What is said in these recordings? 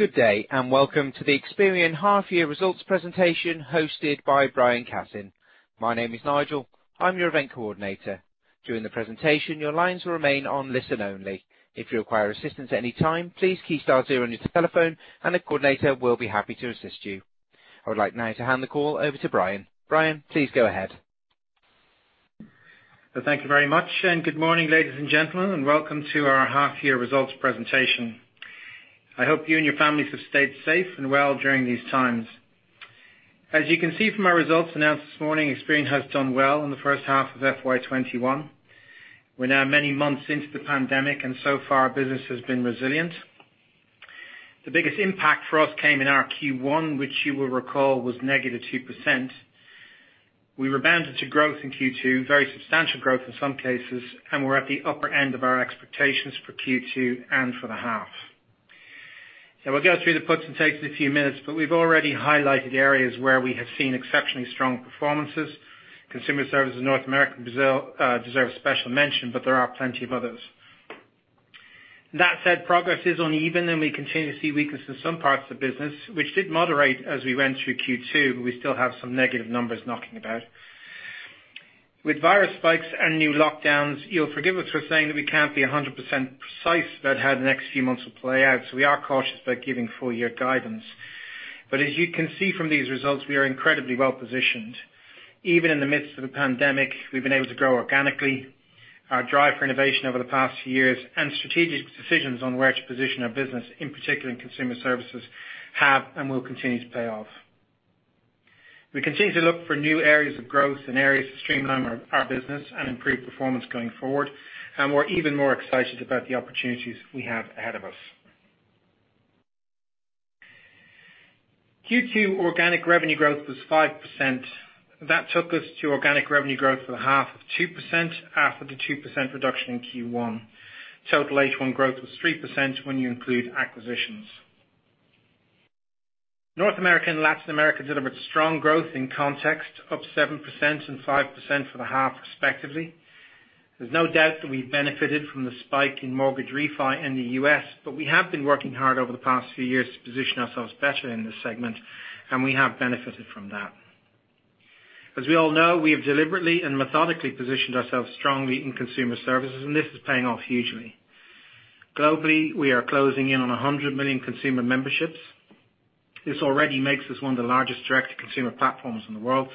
Good day, welcome to the Experian Half-Year Results Presentation hosted by Brian Cassin. My name is Nigel. I'm your event coordinator. During the presentation, your lines will remain on listen only. If you require assistance at any time, please key star zero on your telephone and a coordinator will be happy to assist you. I would like now to hand the call over to Brian. Brian, please go ahead. Thank you very much. Good morning, ladies and gentlemen, and welcome to our Half-Year Results Presentation. I hope you and your families have stayed safe and well during these times. As you can see from our results announced this morning, Experian has done well in the first half of FY 2021. We're now many months into the pandemic, and so far our business has been resilient. The biggest impact for us came in our Q1, which you will recall was negative 2%. We rebounded to growth in Q2, very substantial growth in some cases, and we're at the upper end of our expectations for Q2 and for the half. We'll go through the puts and takes in a few minutes, but we've already highlighted areas where we have seen exceptionally strong performances. Consumer services in North America deserve special mention, but there are plenty of others. That said, progress is uneven, and we continue to see weakness in some parts of the business, which did moderate as we went through Q2, but we still have some negative numbers knocking about. With virus spikes and new lockdowns, you'll forgive us for saying that we can't be 100% precise about how the next few months will play out, so we are cautious about giving full-year guidance. As you can see from these results, we are incredibly well-positioned. Even in the midst of a pandemic, we've been able to grow organically. Our drive for innovation over the past few years and strategic decisions on where to position our business, in particular in consumer services, have and will continue to pay off. We continue to look for new areas of growth and areas to streamline our business and improve performance going forward. We're even more excited about the opportunities we have ahead of us. Q2 organic revenue growth was 5%. That took us to organic revenue growth for the half of 2% after the 2% reduction in Q1. Total H1 growth was 3% when you include acquisitions. North America and Latin America delivered strong growth in context, up 7% and 5% for the half respectively. There's no doubt that we benefited from the spike in mortgage refi in the U.S. We have been working hard over the past few years to position ourselves better in this segment. We have benefited from that. As we all know, we have deliberately and methodically positioned ourselves strongly in consumer services. This is paying off hugely. Globally, we are closing in on 100 million consumer memberships. This already makes us one of the largest direct-to-consumer platforms in the world.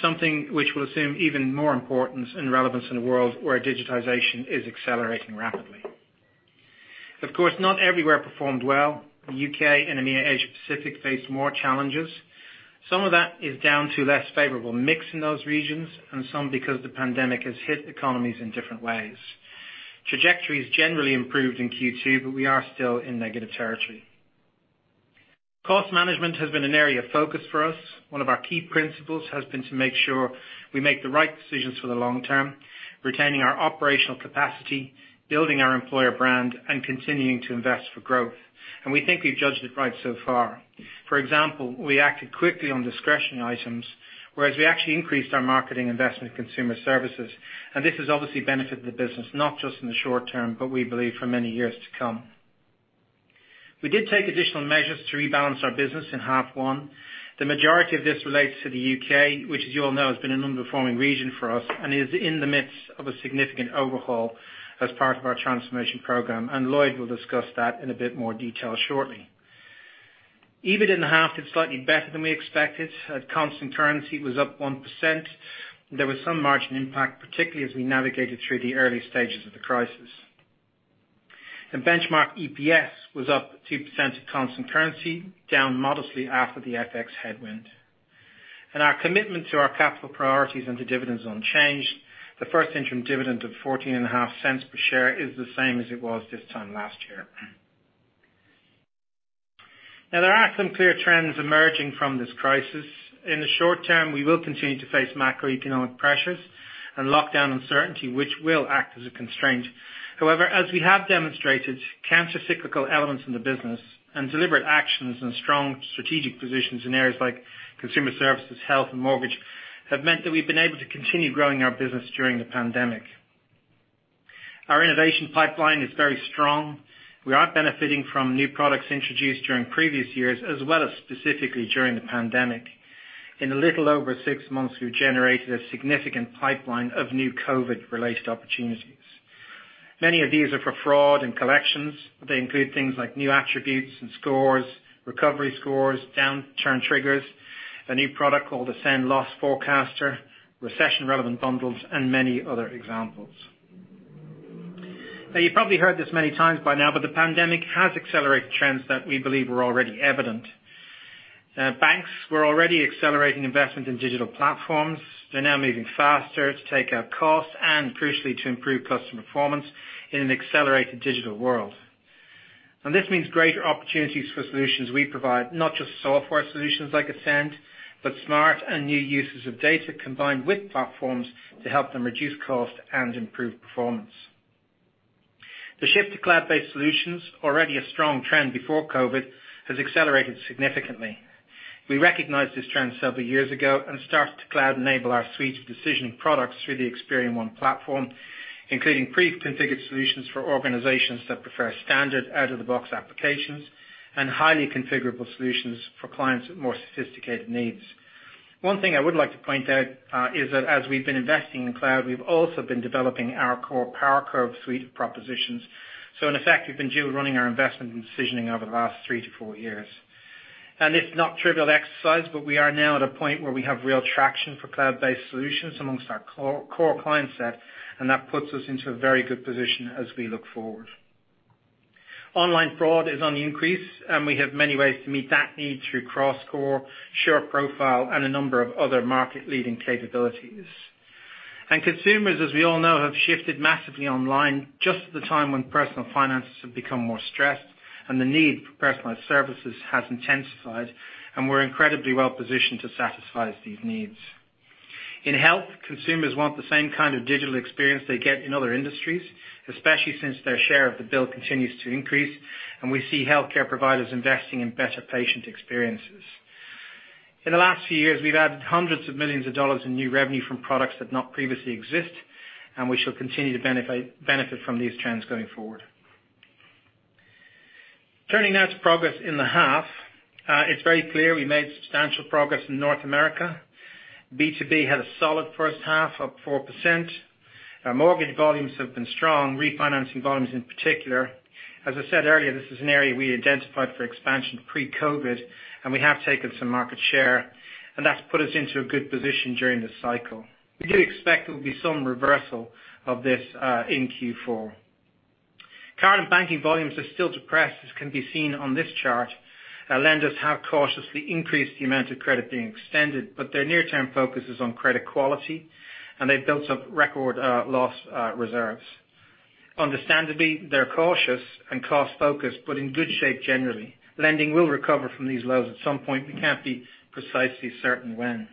Something which will assume even more importance and relevance in a world where digitization is accelerating rapidly. Of course, not everywhere performed well. The U.K. and the EMEA/Asia Pacific faced more challenges. Some of that is down to less favorable mix in those regions, and some because the pandemic has hit economies in different ways. Trajectories generally improved in Q2, but we are still in negative territory. Cost management has been an area of focus for us. One of our key principles has been to make sure we make the right decisions for the long term, retaining our operational capacity, building our employer brand, and continuing to invest for growth. We think we've judged it right so far. For example, we acted quickly on discretionary items, whereas we actually increased our marketing investment consumer services. This has obviously benefited the business, not just in the short term, but we believe for many years to come. We did take additional measures to rebalance our business in half one. The majority of this relates to the U.K., which as you all know, has been an underperforming region for us and is in the midst of a significant overhaul as part of our transformation program. Lloyd will discuss that in a bit more detail shortly. EBIT in the half did slightly better than we expected. At constant currency, it was up 1%. There was some margin impact, particularly as we navigated through the early stages of the crisis. The benchmark EPS was up 2% at constant currency, down modestly after the FX headwind. Our commitment to our capital priorities and the dividend is unchanged. The first interim dividend of $0.145 per share is the same as it was this time last year. Now there are some clear trends emerging from this crisis. In the short term, we will continue to face macroeconomic pressures and lockdown uncertainty, which will act as a constraint. However, as we have demonstrated, countercyclical elements in the business and deliberate actions and strong strategic positions in areas like consumer services, health, and mortgage have meant that we've been able to continue growing our business during the pandemic. Our innovation pipeline is very strong. We are benefiting from new products introduced during previous years as well as specifically during the pandemic. In a little over six months, we've generated a significant pipeline of new COVID-related opportunities. Many of these are for fraud and collections. They include things like new attributes and scores, recovery scores, downturn triggers, a new product called Ascend Loss Forecaster, recession-relevant bundles, and many other examples. You've probably heard this many times by now, but the pandemic has accelerated trends that we believe were already evident. Banks were already accelerating investment in digital platforms. They're now moving faster to take out costs and crucially to improve customer performance in an accelerated digital world. This means greater opportunities for solutions we provide, not just software solutions like Ascend, but smart and new uses of data combined with platforms to help them reduce cost and improve performance. The shift to cloud-based solutions, already a strong trend before COVID, has accelerated significantly. We recognized this trend several years ago and started to cloud-enable our suite of decisioning products through the Experian One platform, including pre-configured solutions for organizations that prefer standard out-of-the-box applications and highly configurable solutions for clients with more sophisticated needs. One thing I would like to point out is that as we've been investing in cloud, we've also been developing our core PowerCurve suite of propositions. In effect, we've been dual-running our investment in decisioning over the last three to four years. It's not trivial exercise, but we are now at a point where we have real traction for cloud-based solutions amongst our core client set, and that puts us into a very good position as we look forward. Online fraud is on the increase, and we have many ways to meet that need through CrossCore, Sure Profile, and a number of other market-leading capabilities. Consumers, as we all know, have shifted massively online just at the time when personal finances have become more stressed and the need for personalized services has intensified. We're incredibly well-positioned to satisfy these needs. In health, consumers want the same kind of digital experience they get in other industries, especially since their share of the bill continues to increase, and we see healthcare providers investing in better patient experiences. In the last few years, we've added hundreds of millions of dollars in new revenue from products that not previously exist, and we shall continue to benefit from these trends going forward. Turning now to progress in the half. It's very clear we made substantial progress in North America. B2B had a solid first half, up 4%. Our mortgage volumes have been strong, refinancing volumes in particular. As I said earlier, this is an area we identified for expansion pre-COVID, we have taken some market share, and that's put us into a good position during this cycle. We do expect there will be some reversal of this in Q4. Current banking volumes are still depressed, as can be seen on this chart. Lenders have cautiously increased the amount of credit being extended, their near-term focus is on credit quality, and they've built up record loss reserves. Understandably, they're cautious and cost-focused, but in good shape generally. Lending will recover from these lows at some point. We can't be precisely certain when.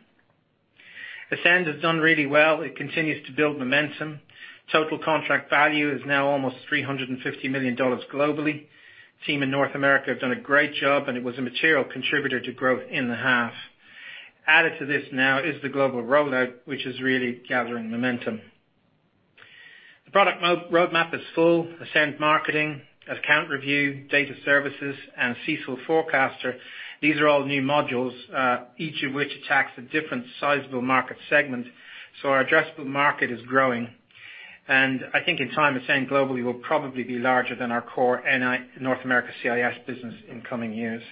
Ascend has done really well. It continues to build momentum. Total contract value is now almost $350 million globally. Team in North America have done a great job, and it was a material contributor to growth in the half. Added to this now is the global rollout, which is really gathering momentum. The product roadmap is full. Ascend Marketing, Account Review, Data Services, and CECL Forecaster, these are all new modules, each of which attacks a different sizable market segment. Our addressable market is growing. I think in time, Ascend globally will probably be larger than our core North America CIS business in coming years.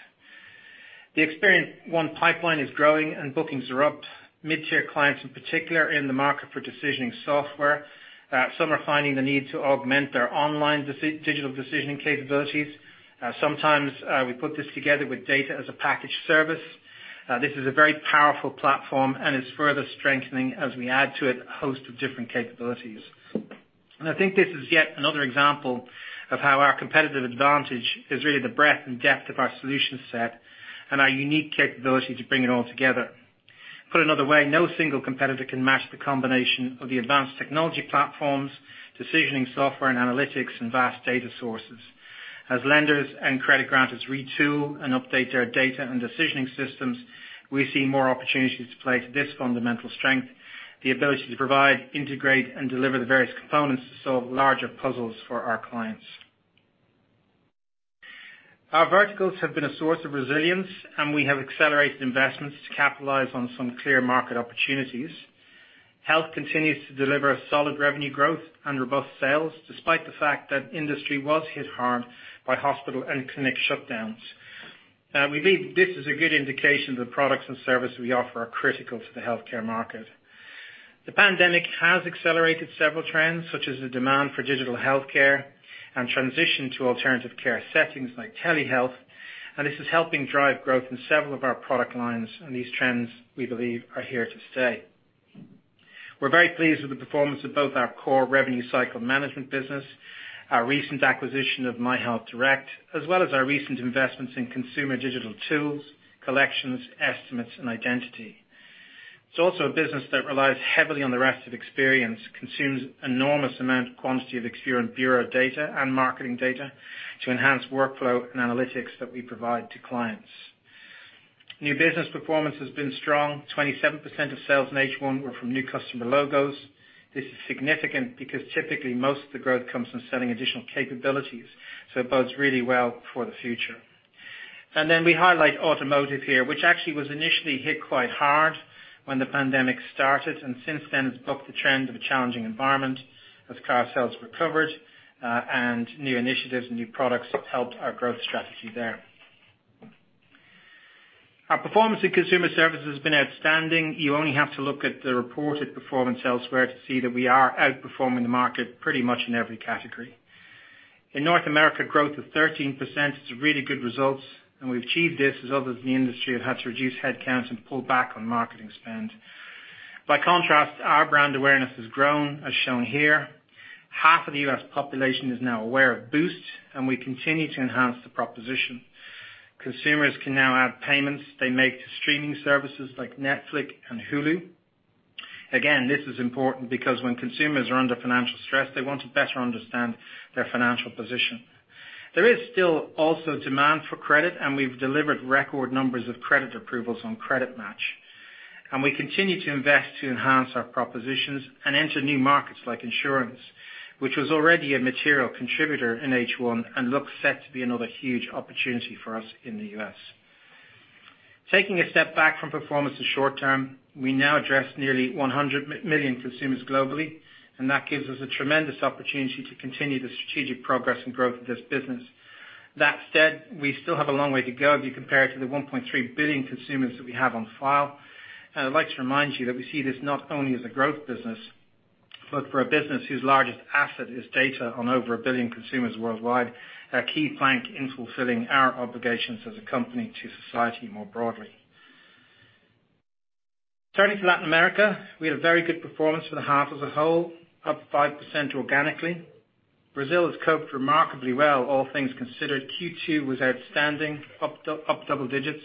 The Experian One pipeline is growing and bookings are up. Mid-tier clients in particular are in the market for decisioning software. Some are finding the need to augment their online digital decisioning capabilities. Sometimes we put this together with data as a package service. This is a very powerful platform. It's further strengthening as we add to it a host of different capabilities. I think this is yet another example of how our competitive advantage is really the breadth and depth of our solution set and our unique capability to bring it all together. Put another way, no single competitor can match the combination of the advanced technology platforms, decisioning software and analytics, and vast data sources. As lenders and credit grantors retool and update their data and decisioning systems, we see more opportunities to play to this fundamental strength, the ability to provide, integrate, and deliver the various components to solve larger puzzles for our clients. Our verticals have been a source of resilience, and we have accelerated investments to capitalize on some clear market opportunities. Health continues to deliver a solid revenue growth and robust sales, despite the fact that industry was hit hard by hospital and clinic shutdowns. We believe this is a good indication that the products and services we offer are critical to the healthcare market. The pandemic has accelerated several trends, such as the demand for digital healthcare and transition to alternative care settings like telehealth. This is helping drive growth in several of our product lines. These trends, we believe, are here to stay. We're very pleased with the performance of both our core revenue cycle management business, our recent acquisition of MyHealthDirect, as well as our recent investments in consumer digital tools, collections, estimates, and identity. It's also a business that relies heavily on the rest of Experian, consumes enormous amount quantity of Experian bureau data and marketing data to enhance workflow and analytics that we provide to clients. New business performance has been strong. 27% of sales in H1 were from new customer logos. This is significant because typically, most of the growth comes from selling additional capabilities, so it bodes really well for the future. We highlight automotive here, which actually was initially hit quite hard when the pandemic started, and since then it's bucked the trend of a challenging environment as car sales recovered, and new initiatives and new products helped our growth strategy there. Our performance in consumer services has been outstanding. You only have to look at the reported performance elsewhere to see that we are outperforming the market pretty much in every category. In North America, growth of 13%, it's really good results. We've achieved this as others in the industry have had to reduce headcounts and pull back on marketing spend. By contrast, our brand awareness has grown, as shown here. Half of the U.S. population is now aware of Boost. We continue to enhance the proposition. Consumers can now add payments they make to streaming services like Netflix and Hulu. Again, this is important because when consumers are under financial stress, they want to better understand their financial position. There is still also demand for credit. We've delivered record numbers of credit approvals on CreditMatch. We continue to invest to enhance our propositions and enter new markets like insurance, which was already a material contributor in H1 and looks set to be another huge opportunity for us in the U.S. Taking a step back from performance to short term, we now address nearly 100 million consumers globally, that gives us a tremendous opportunity to continue the strategic progress and growth of this business. That said, we still have a long way to go if you compare it to the 1.3 billion consumers that we have on file. I'd like to remind you that we see this not only as a growth business, but for a business whose largest asset is data on over a billion consumers worldwide, a key plank in fulfilling our obligations as a company to society more broadly. Turning to Latin America, we had a very good performance for the half as a whole, up 5% organically. Brazil has coped remarkably well, all things considered. Q2 was outstanding, up double digits.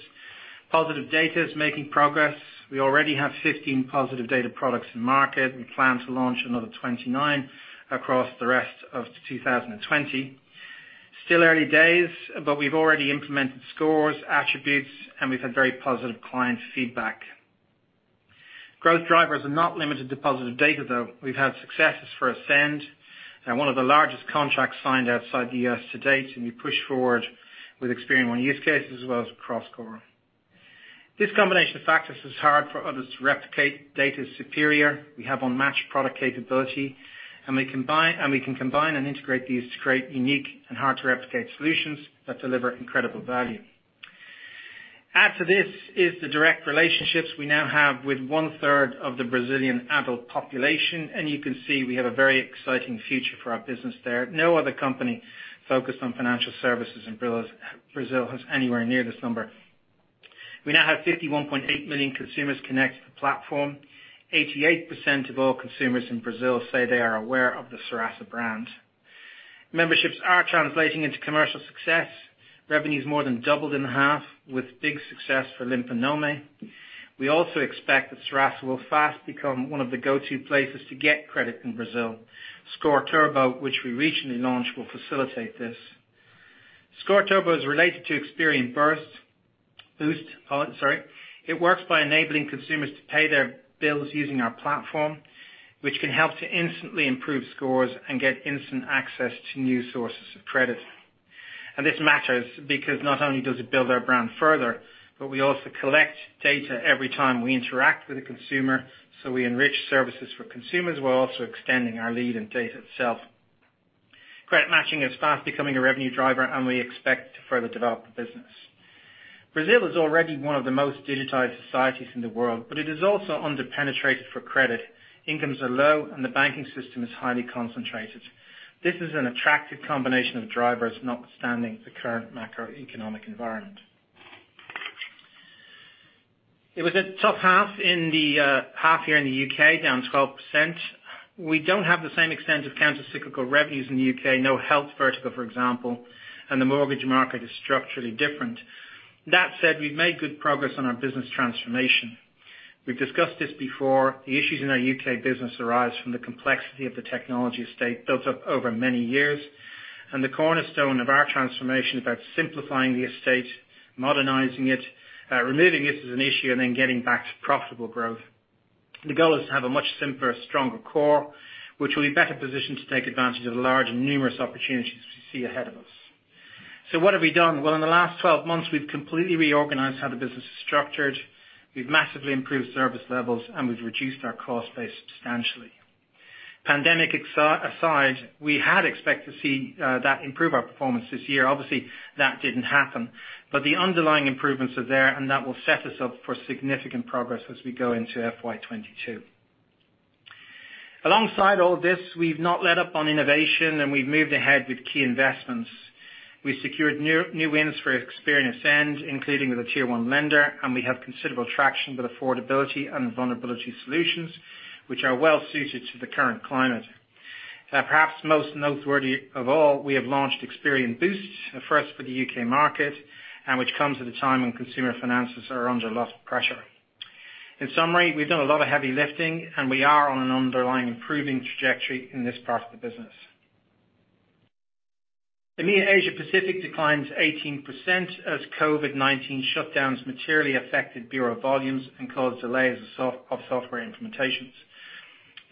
Positive Data is making progress. We already have 15 Positive Data products in market and plan to launch another 29 across the rest of 2020. Still early days, but we've already implemented scores, attributes, and we've had very positive client feedback. Growth drivers are not limited to Positive Data, though. We've had successes for Ascend and one of the largest contracts signed outside the U.S. to date, and we push forward with Experian One use cases as well as CrossCore. This combination of factors is hard for others to replicate. Data is superior. We have unmatched product capability, and we can combine and integrate these to create unique and hard-to-replicate solutions that deliver incredible value. Add to this is the direct relationships we now have with one-third of the Brazilian adult population, and you can see we have a very exciting future for our business there. No other company focused on financial services in Brazil has anywhere near this number. We now have 51.8 million consumers connected to the platform. 88% of all consumers in Brazil say they are aware of the Serasa brand. Memberships are translating into commercial success. Revenue's more than doubled in half with big success for Limpa Nome. We also expect that Serasa will fast become one of the go-to places to get credit in Brazil. Score Turbo, which we recently launched, will facilitate this. Score Turbo is related to Experian Boost. It works by enabling consumers to pay their bills using our platform, which can help to instantly improve scores and get instant access to new sources of credit. This matters because not only does it build our brand further, but we also collect data every time we interact with a consumer, so we enrich services for consumers while also extending our lead in data itself. CreditMatch is fast becoming a revenue driver, and we expect to further develop the business. Brazil is already one of the most digitized societies in the world, but it is also under-penetrated for credit. Incomes are low and the banking system is highly concentrated. This is an attractive combination of drivers notwithstanding the current macroeconomic environment. It was a tough half here in the U.K., down 12%. We don't have the same extent of counter-cyclical revenues in the U.K., no health vertical, for example, and the mortgage market is structurally different. That said, we've made good progress on our business transformation. We've discussed this before. The issues in our U.K. business arise from the complexity of the technology estate built up over many years. The cornerstone of our transformation is about simplifying the estate, modernizing it, removing it as an issue, then getting back to profitable growth. The goal is to have a much simpler, stronger core, which will be better positioned to take advantage of the large and numerous opportunities we see ahead of us. What have we done? In the last 12 months, we've completely reorganized how the business is structured. We've massively improved service levels. We've reduced our cost base substantially. Pandemic aside, we had expected to see that improve our performance this year. That didn't happen. The underlying improvements are there. That will set us up for significant progress as we go into FY 2022. Alongside all this, we've not let up on innovation, and we've moved ahead with key investments. We secured new wins for Experian Ascend, including with a tier one lender, and we have considerable traction with affordability and vulnerability solutions, which are well-suited to the current climate. Perhaps most noteworthy of all, we have launched Experian Boost, a first for the U.K. market and which comes at a time when consumer finances are under a lot of pressure. In summary, we've done a lot of heavy lifting, and we are on an underlying improving trajectory in this part of the business. EMEA/Asia Pacific declined 18% as COVID-19 shutdowns materially affected bureau volumes and caused delays of software implementations.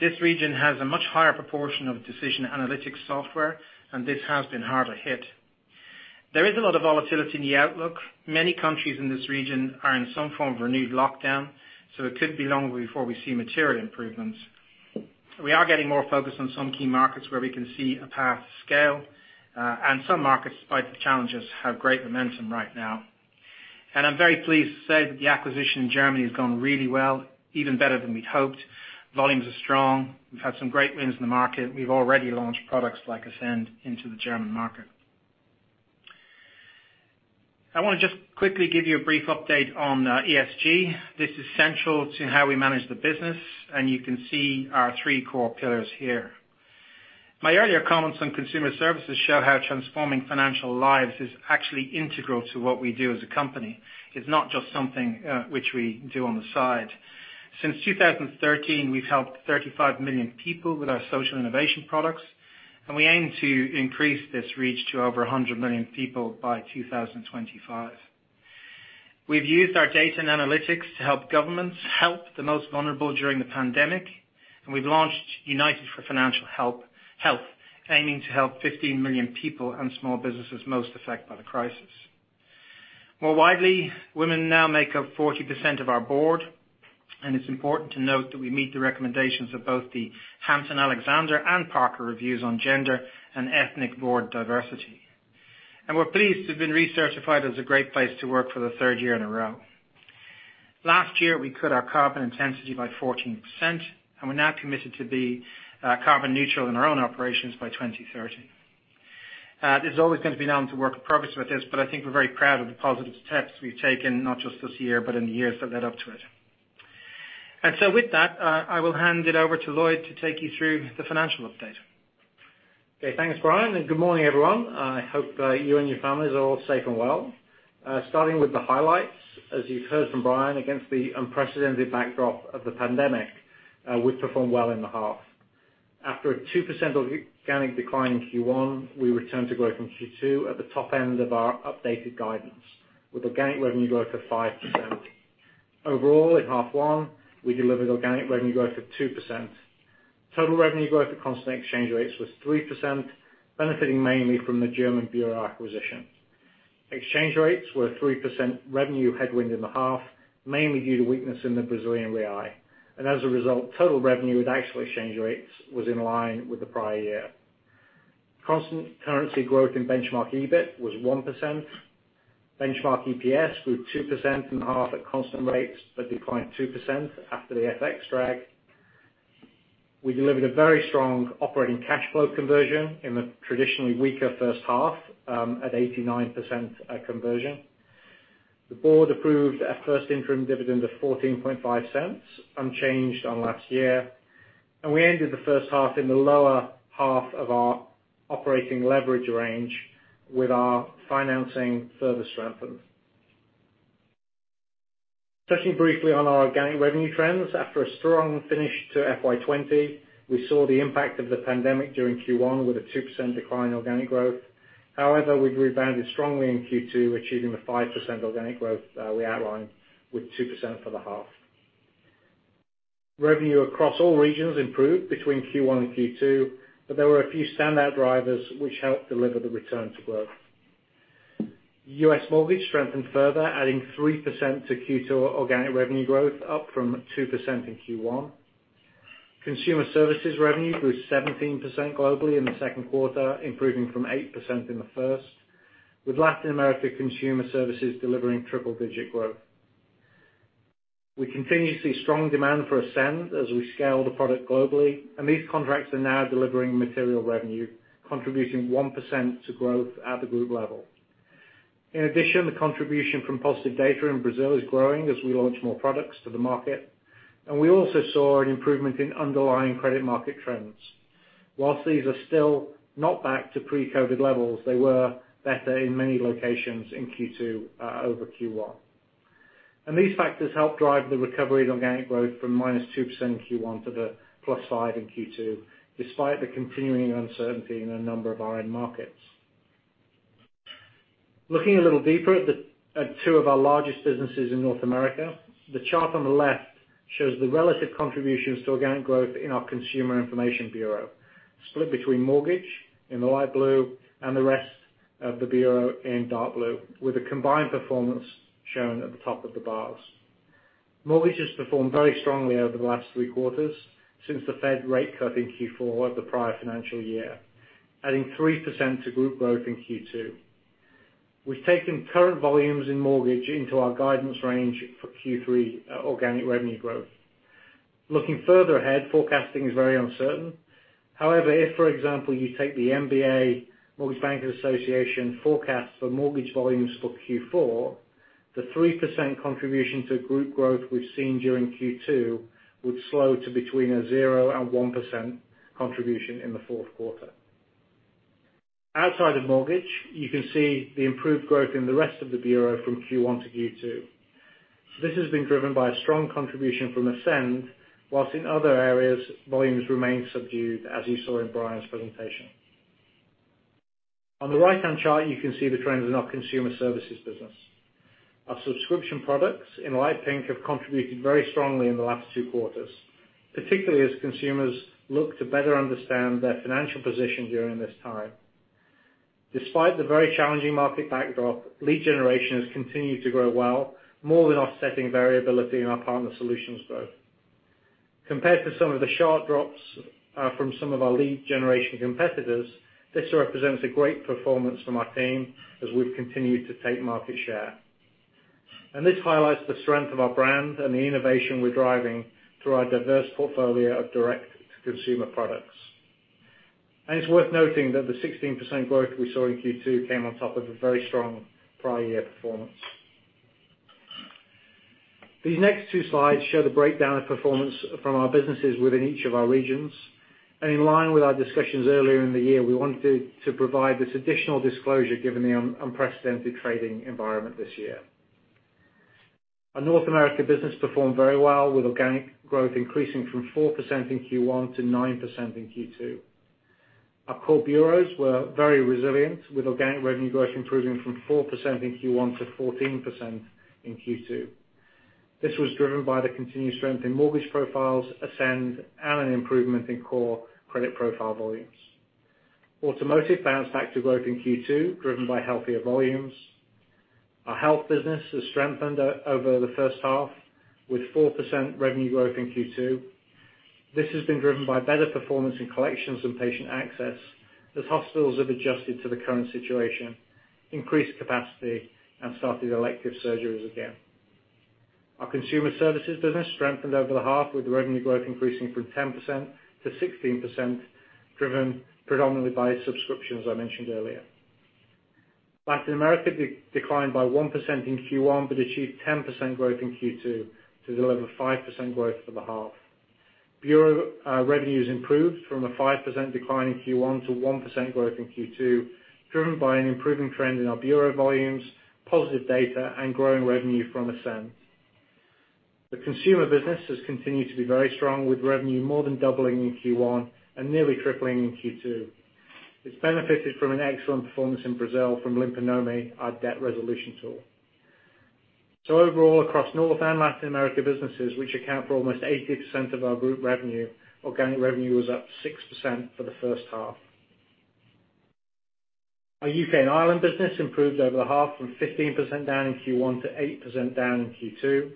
This region has a much higher proportion of decision analytics software, and this has been harder hit. There is a lot of volatility in the outlook. Many countries in this region are in some form of renewed lockdown, so it could be longer before we see material improvements. We are getting more focused on some key markets where we can see a path to scale, and some markets, despite the challenges, have great momentum right now. I'm very pleased to say that the acquisition in Germany has gone really well, even better than we'd hoped. Volumes are strong. We've had some great wins in the market. We've already launched products like Ascend into the German market. I want to just quickly give you a brief update on ESG. This is central to how we manage the business, and you can see our three core pillars here. My earlier comments on consumer services show how transforming financial lives is actually integral to what we do as a company. It's not just something which we do on the side. Since 2013, we've helped 35 million people with our social innovation products, and we aim to increase this reach to over 100 million people by 2025. We've used our data and analytics to help governments help the most vulnerable during the pandemic. We've launched United for Financial Health, aiming to help 15 million people and small businesses most affected by the crisis. More widely, women now make up 40% of our board. It's important to note that we meet the recommendations of both the Hampton-Alexander and Parker Review on gender and ethnic board diversity. We're pleased to have been recertified as a great place to work for the third year in a row. Last year, we cut our carbon intensity by 14%. We're now committed to be carbon neutral in our own operations by 2030. There's always going to be an element of work in progress with this, but I think we're very proud of the positive steps we've taken, not just this year, but in the years that led up to it. With that, I will hand it over to Lloyd to take you through the financial update. Okay. Thanks, Brian, and good morning, everyone. I hope you and your families are all safe and well. Starting with the highlights, as you've heard from Brian, against the unprecedented backdrop of the pandemic, we've performed well in the half. After a 2% organic decline in Q1, we returned to growth in Q2 at the top end of our updated guidance, with organic revenue growth of 5%. Overall, in half one, we delivered organic revenue growth of 2%. Total revenue growth at constant exchange rates was 3%, benefiting mainly from the German Bureau acquisition. Exchange rates were 3% revenue headwind in the half, mainly due to weakness in the Brazilian real. As a result, total revenue at actual exchange rates was in line with the prior year. Constant currency growth in benchmark EBIT was 1%. Benchmark EPS grew 2% in half at constant rates, but declined 2% after the FX drag. We delivered a very strong operating cash flow conversion in the traditionally weaker first half at 89% conversion. The board approved a first interim dividend at $0.145, unchanged on last year. We ended the first half in the lower half of our operating leverage range with our financing further strengthened. Touching briefly on our organic revenue trends, after a strong finish to FY 2020, we saw the impact of the pandemic during Q1 with a 2% decline in organic growth. We rebounded strongly in Q2, achieving the 5% organic growth we outlined with 2% for the half. Revenue across all regions improved between Q1 and Q2, but there were a few standout drivers which helped deliver the return to growth. U.S. Mortgage strengthened further, adding 3% to Q2 organic revenue growth, up from 2% in Q1. Consumer Services revenue grew 17% globally in the second quarter, improving from 8% in the first, with Latin America Consumer Services delivering triple-digit growth. We continue to see strong demand for Ascend as we scale the product globally, and these contracts are now delivering material revenue, contributing 1% to growth at the group level. In addition, the contribution from Positive Data in Brazil is growing as we launch more products to the market, and we also saw an improvement in underlying credit market trends. Whilst these are still not back to pre-COVID levels, they were better in many locations in Q2 over Q1. These factors helped drive the recovery in organic growth from -2% in Q1 to the +5% in Q2, despite the continuing uncertainty in a number of our end markets. Looking a little deeper at two of our largest businesses in North America, the chart on the left shows the relative contributions to organic growth in our Consumer Information Bureau, split between mortgage in the light blue and the rest of the bureau in dark blue, with a combined performance shown at the top of the bars. Mortgage has performed very strongly over the last three quarters since the Fed rate cut in Q4 of the prior financial year, adding 3% to group growth in Q2. We've taken current volumes in mortgage into our guidance range for Q3 organic revenue growth. Looking further ahead, forecasting is very uncertain. If, for example, you take the MBA, Mortgage Bankers Association forecast for mortgage volumes for Q4, the 3% contribution to group growth we've seen during Q2 would slow to between a zero and 1% contribution in the fourth quarter. Outside of mortgage, you can see the improved growth in the rest of the bureau from Q1 to Q2. This has been driven by a strong contribution from Ascend, whilst in other areas, volumes remain subdued, as you saw in Brian's presentation. On the right-hand chart, you can see the trends in our Consumer Services business. Our subscription products in light pink have contributed very strongly in the last two quarters, particularly as consumers look to better understand their financial position during this time. Despite the very challenging market backdrop, lead generation has continued to grow well, more than offsetting variability in our partner solutions growth. Compared to some of the sharp drops from some of our lead generation competitors, this represents a great performance from our team as we've continued to take market share. This highlights the strength of our brand and the innovation we're driving through our diverse portfolio of direct-to-consumer products. It's worth noting that the 16% growth we saw in Q2 came on top of a very strong prior year performance. These next two slides show the breakdown of performance from our businesses within each of our regions. In line with our discussions earlier in the year, we wanted to provide this additional disclosure given the unprecedented trading environment this year. Our North America business performed very well with organic growth increasing from 4% in Q1 to 9% in Q2. Our core bureaus were very resilient with organic revenue growth improving from 4% in Q1 to 14% in Q2. This was driven by the continued strength in mortgage profiles, Ascend, and an improvement in core credit profile volumes. Automotive bounced back to growth in Q2, driven by healthier volumes. Our health business has strengthened over the first half with 4% revenue growth in Q2. This has been driven by better performance in collections and patient access as hospitals have adjusted to the current situation, increased capacity, and started elective surgeries again. Our consumer services business strengthened over the half, with revenue growth increasing from 10% to 16%, driven predominantly by subscriptions, I mentioned earlier. Latin America declined by 1% in Q1 but achieved 10% growth in Q2 to deliver 5% growth for the half. Bureau revenues improved from a 5% decline in Q1 to 1% growth in Q2, driven by an improving trend in our bureau volumes, Positive Data, and growing revenue from Ascend. The consumer business has continued to be very strong with revenue more than doubling in Q1 and nearly tripling in Q2. It's benefited from an excellent performance in Brazil from Limpa Nome, our debt resolution tool. Overall, across North and Latin America businesses, which account for almost 80% of our group revenue, organic revenue was up 6% for the first half. Our U.K. and Ireland business improved over the half from 15% down in Q1 to 8% down in Q2.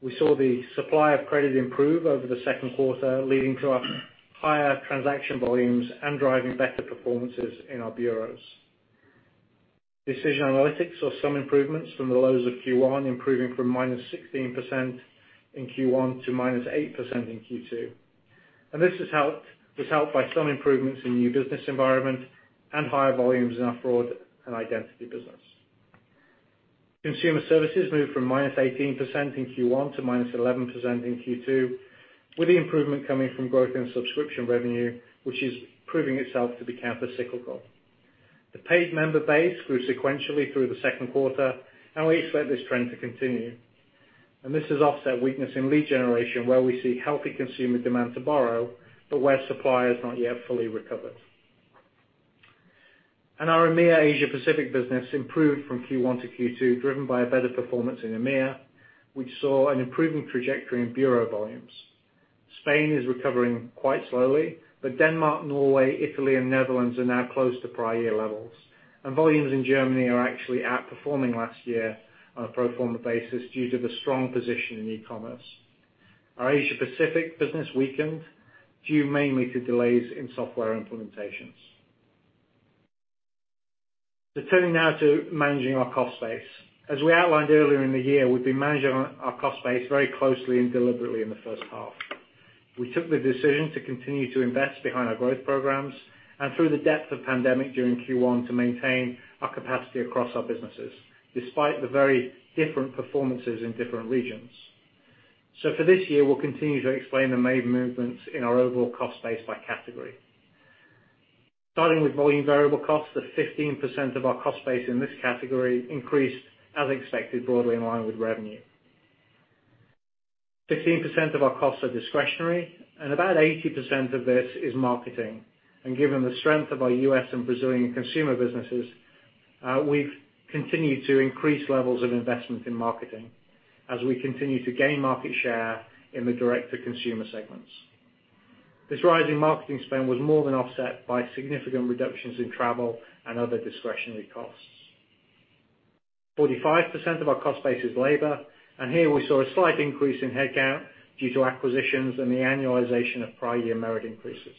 We saw the supply of credit improve over the second quarter, leading to higher transaction volumes and driving better performances in our bureaus. Decision Analytics saw some improvements from the lows of Q1, improving from -16% in Q1 to -8% in Q2. This was helped by some improvements in new business environment and higher volumes in our fraud and identity business. Consumer Services moved from -18% in Q1 to -11% in Q2, with the improvement coming from growth in subscription revenue which is proving itself to be counter-cyclical. The paid member base grew sequentially through the second quarter, and we expect this trend to continue. This has offset weakness in lead generation where we see healthy consumer demand to borrow but where supply has not yet fully recovered. Our EMEA/Asia Pacific business improved from Q1 to Q2, driven by a better performance in EMEA, which saw an improving trajectory in bureau volumes. Spain is recovering quite slowly, but Denmark, Norway, Italy, and Netherlands are now close to prior year levels. Volumes in Germany are actually outperforming last year on a pro forma basis due to the strong position in e-commerce. Our Asia Pacific business weakened due mainly to delays in software implementations. Turning now to managing our cost base. As we outlined earlier in the year, we've been managing our cost base very closely and deliberately in the first half. We took the decision to continue to invest behind our growth programs and through the depth of pandemic during Q1 to maintain our capacity across our businesses, despite the very different performances in different regions. For this year, we'll continue to explain the main movements in our overall cost base by category. Starting with volume variable costs of 15% of our cost base in this category increased as expected, broadly in line with revenue. 15% of our costs are discretionary, and about 80% of this is marketing. Given the strength of our U.S. and Brazilian consumer businesses, we've continued to increase levels of investment in marketing as we continue to gain market share in the direct-to-consumer segments. This rise in marketing spend was more than offset by significant reductions in travel and other discretionary costs. 45% of our cost base is labor. Here we saw a slight increase in headcount due to acquisitions and the annualization of prior year merit increases.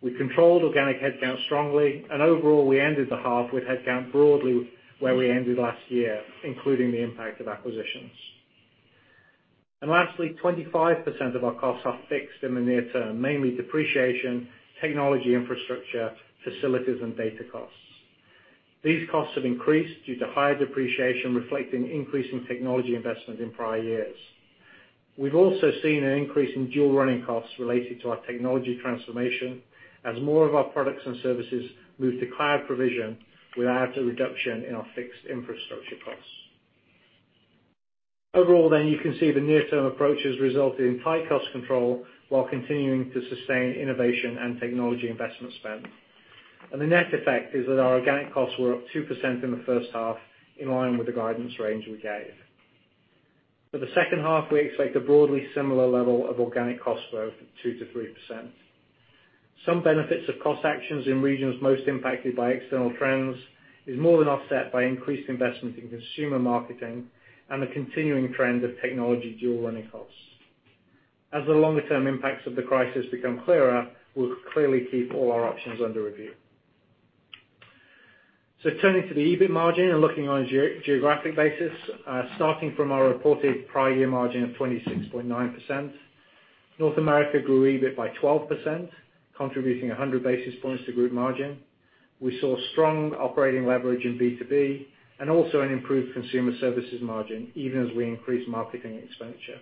We controlled organic headcount strongly. Overall, we ended the half with headcount broadly where we ended last year, including the impact of acquisitions. Lastly, 25% of our costs are fixed in the near term, mainly depreciation, technology infrastructure, facilities, and data costs. These costs have increased due to higher depreciation reflecting increasing technology investment in prior years. We've also seen an increase in dual running costs related to our technology transformation as more of our products and services move to cloud provision without a reduction in our fixed infrastructure costs. You can see the near-term approaches resulted in tight cost control while continuing to sustain innovation and technology investment spend. The net effect is that our organic costs were up 2% in the first half in line with the guidance range we gave. For the second half, we expect a broadly similar level of organic cost growth of 2%-3%. Some benefits of cost actions in regions most impacted by external trends is more than offset by increased investment in consumer marketing and the continuing trend of technology dual running costs. As the longer-term impacts of the crisis become clearer, we'll clearly keep all our options under review. Turning to the EBIT margin and looking on a geographic basis, starting from our reported prior year margin of 26.9%, North America grew EBIT by 12%, contributing 100 basis points to group margin. We saw strong operating leverage in B2B, and also an improved consumer services margin, even as we increased marketing expenditure.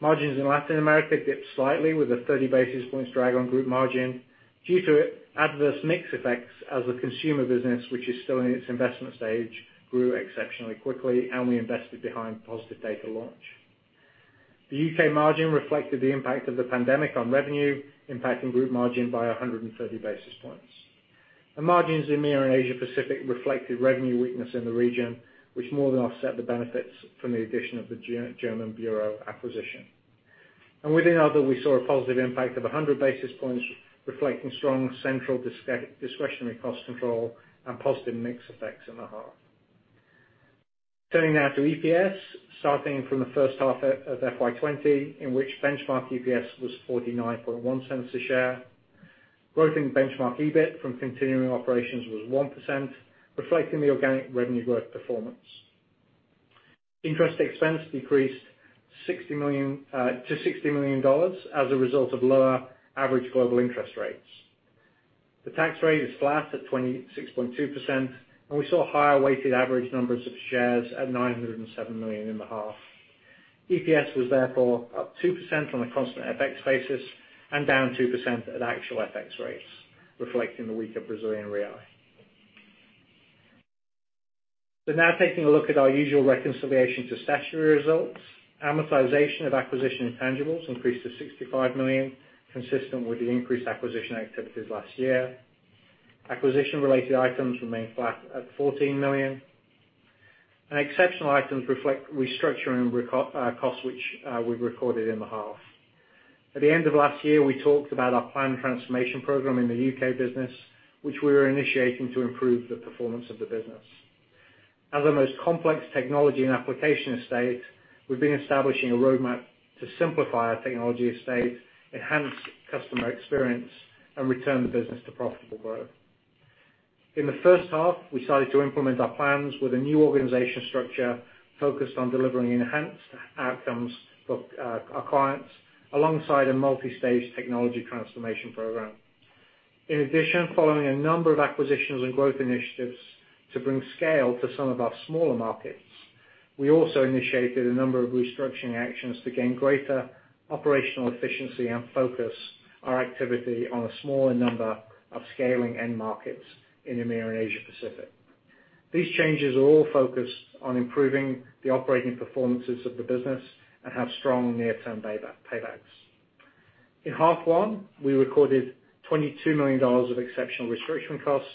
Margins in Latin America dipped slightly with a 30 basis points drag on group margin due to adverse mix effects as the consumer business, which is still in its investment stage, grew exceptionally quickly. We invested behind Positive Data launch. The U.K. margin reflected the impact of the pandemic on revenue, impacting group margin by 130 basis points. The margins in EMEA and Asia Pacific reflected revenue weakness in the region, which more than offset the benefits from the addition of the German bureau acquisition. Within other, we saw a positive impact of 100 basis points, reflecting strong central discretionary cost control and positive mix effects in the half. Turning now to EPS. Starting from the first half of FY 2020, in which benchmark EPS was $0.491 a share. Growth in benchmark EBIT from continuing operations was 1%, reflecting the organic revenue growth performance. Interest expense decreased to $60 million as a result of lower average global interest rates. The tax rate is flat at 26.2%. We saw higher weighted average numbers of shares at 907 million in the half. EPS was therefore up 2% on a constant FX basis and down 2% at actual FX rates, reflecting the weaker Brazilian real. Now taking a look at our usual reconciliation to statutory results. Amortization of acquisition intangibles increased to $65 million, consistent with the increased acquisition activities last year. Acquisition related items remained flat at $14 million. Exceptional items reflect restructuring costs, which we recorded in the half. At the end of last year, we talked about our planned transformation program in the U.K. business, which we were initiating to improve the performance of the business. As our most complex technology and application estate, we've been establishing a roadmap to simplify our technology estate, enhance customer experience, and return the business to profitable growth. In the first half, we started to implement our plans with a new organizational structure focused on delivering enhanced outcomes for our clients, alongside a multistage technology transformation program. In addition, following a number of acquisitions and growth initiatives to bring scale to some of our smaller markets, we also initiated a number of restructuring actions to gain greater operational efficiency and focus our activity on a smaller number of scaling end markets in EMEA and Asia Pacific. These changes are all focused on improving the operating performances of the business and have strong near-term paybacks. In half one, we recorded $22 million of exceptional restructuring costs,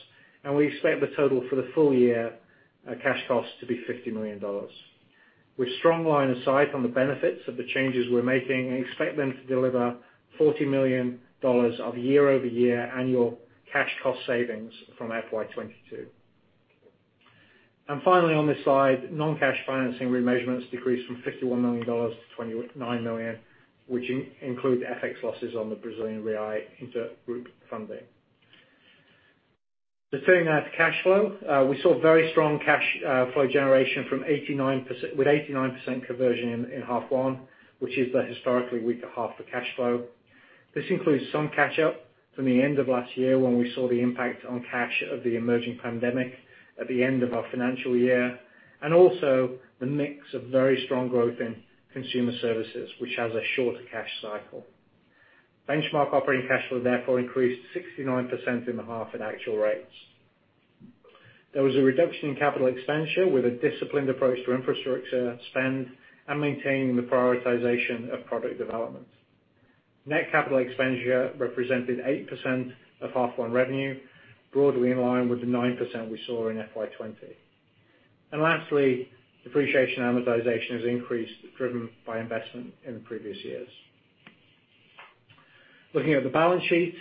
and we expect the total for the full year cash costs to be $50 million. With strong line of sight on the benefits of the changes we're making, I expect them to deliver $40 million of year-over-year annual cash cost savings from FY 2022. Finally, on this slide, non-cash financing remeasurements decreased from $51 million to $29 million, which include FX losses on the Brazilian real intergroup funding. Turning now to cash flow. We saw very strong cash flow generation with 89% conversion in half one, which is the historically weaker half for cash flow. This includes some catch up from the end of last year, when we saw the impact on cash of the emerging pandemic at the end of our financial year, and also the mix of very strong growth in consumer services, which has a shorter cash cycle. Benchmark operating cash flow therefore increased 69% in the half at actual rates. There was a reduction in capital expenditure with a disciplined approach to infrastructure spend and maintaining the prioritization of product development. Net capital expenditure represented 8% of half one revenue, broadly in line with the 9% we saw in FY 2020. Lastly, depreciation amortization has increased, driven by investment in the previous years. Looking at the balance sheet.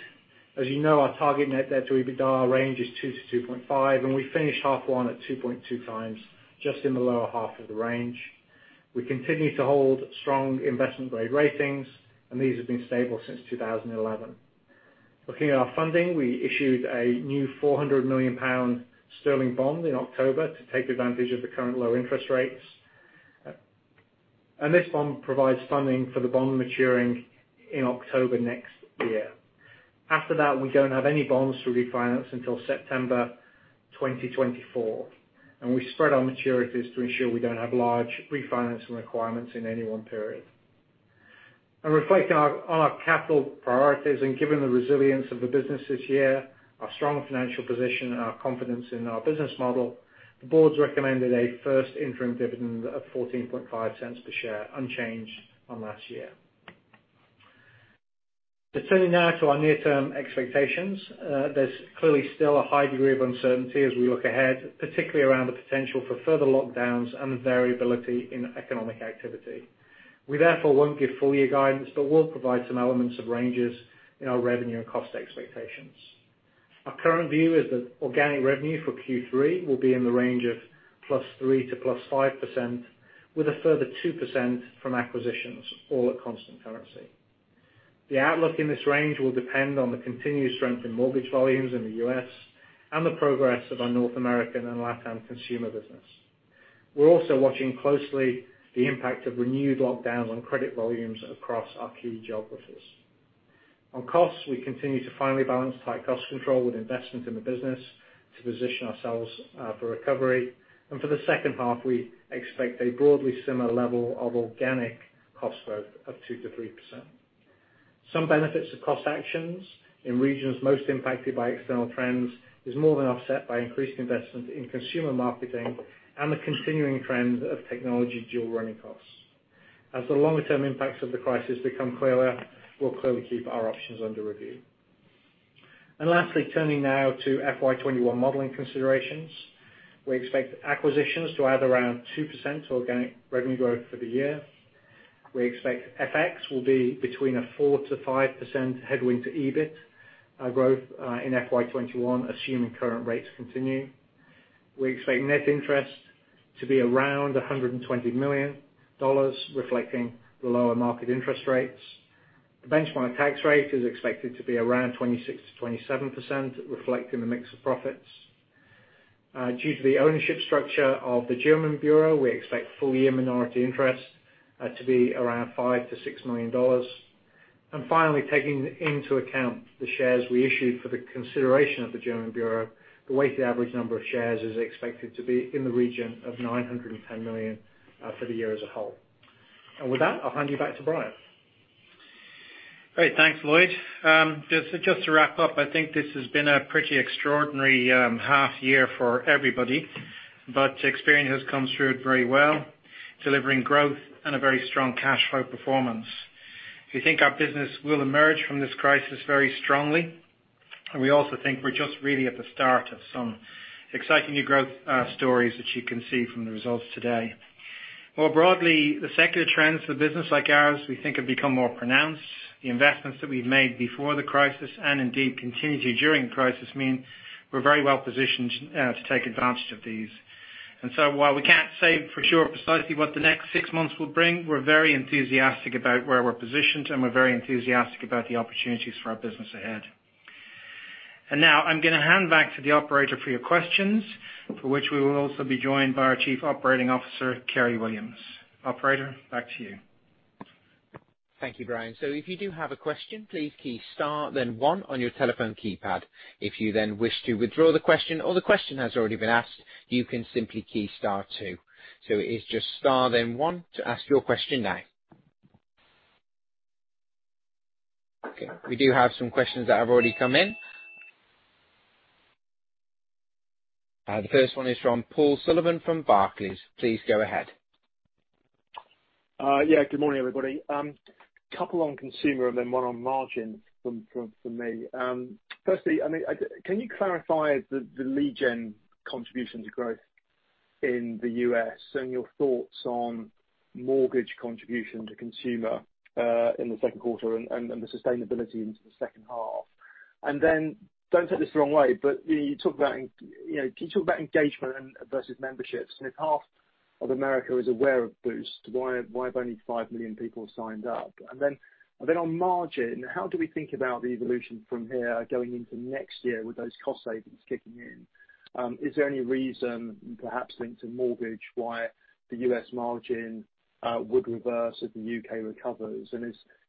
As you know, our target net debt to EBITDA range is 2x-2.5x, and we finished half one at 2.2x, just in the lower half of the range. We continue to hold strong investment-grade ratings, and these have been stable since 2011. Looking at our funding, we issued a new 400 million sterling bond in October to take advantage of the current low interest rates. This bond provides funding for the bond maturing in October next year. After that, we do not have any bonds to refinance until September 2024, and we spread our maturities to ensure we do not have large refinancing requirements in any one period. Reflecting on our capital priorities and given the resilience of the business this year, our strong financial position, and our confidence in our business model, the board's recommended a first interim dividend of $0.145 per share, unchanged on last year. Just turning now to our near-term expectations. There is clearly still a high degree of uncertainty as we look ahead, particularly around the potential for further lockdowns and the variability in economic activity. We therefore will not give full year guidance, but will provide some elements of ranges in our revenue and cost expectations. Our current view is that organic revenue for Q3 will be in the range of +3% to +5%, with a further 2% from acquisitions, all at constant currency. The outlook in this range will depend on the continued strength in mortgage volumes in the U.S. and the progress of our North American and LatAm consumer business. We're also watching closely the impact of renewed lockdowns on credit volumes across our key geographies. On costs, we continue to finely balance tight cost control with investment in the business to position ourselves for recovery. For the second half, we expect a broadly similar level of organic cost growth of 2%-3%. Some benefits of cost actions in regions most impacted by external trends is more than offset by increased investment in consumer marketing and the continuing trend of technology dual running costs. As the longer-term impacts of the crisis become clearer, we'll clearly keep our options under review. Lastly, turning now to FY 2021 modeling considerations. We expect acquisitions to add around 2% organic revenue growth for the year. We expect FX will be between a 4%-5% headwind to EBIT growth in FY 2021, assuming current rates continue. We expect net interest to be around $120 million, reflecting the lower market interest rates. The benchmark tax rate is expected to be around 26%-27%, reflecting the mix of profits. Due to the ownership structure of the German Bureau, we expect full-year minority interest to be around $5 million-$6 million. Finally, taking into account the shares we issued for the consideration of the German Bureau, the weighted average number of shares is expected to be in the region of 910 million for the year as a whole. With that, I'll hand you back to Brian. Great. Thanks, Lloyd. Just to wrap up, I think this has been a pretty extraordinary half year for everybody, Experian has come through it very well, delivering growth and a very strong cash flow performance. We think our business will emerge from this crisis very strongly, and we also think we're just really at the start of some exciting new growth stories that you can see from the results today. More broadly, the secular trends for a business like ours we think have become more pronounced. The investments that we've made before the crisis, and indeed continued during the crisis, mean we're very well positioned to take advantage of these. While we can't say for sure precisely what the next six months will bring, we're very enthusiastic about where we're positioned, and we're very enthusiastic about the opportunities for our business ahead. Now I'm going to hand back to the operator for your questions, for which we will also be joined by our Chief Operating Officer, Kerry Williams. Operator, back to you. Thank you, Brian. If you do have a question, please key star then one on your telephone keypad. If you then wish to withdraw the question or the question has already been asked, you can simply key star two. It is just star, then one to ask your question now. Okay, we do have some questions that have already come in. The first one is from Paul Sullivan from Barclays. Please go ahead. Yeah, good morning, everybody. Couple on consumer and then one on margin from me. Firstly, can you clarify the lead gen contribution to growth in the U.S. and your thoughts on mortgage contribution to consumer, in the second quarter and the sustainability into the 2nd half? Don't take this the wrong way, but can you talk about engagement versus memberships? If half of America is aware of Boost, why have only five million people signed up? On margin, how do we think about the evolution from here going into next year with those cost savings kicking in? Is there any reason, perhaps linked to mortgage, why the U.S. margin would reverse if the U.K. recovers?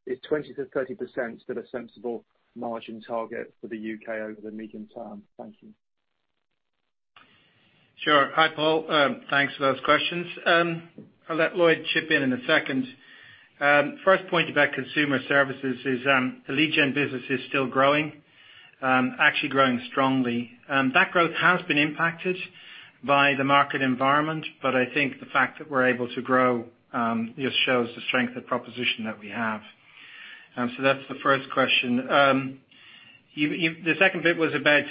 Is 20%-30% still a sensible margin target for the U.K. over the medium term? Thank you. Sure. Hi, Paul. Thanks for those questions. I'll let Lloyd chip in in a second. First point about consumer services is, the lead gen business is still growing, actually growing strongly. That growth has been impacted by the market environment, but I think the fact that we're able to grow just shows the strength of proposition that we have. That's the first question. The second bit was about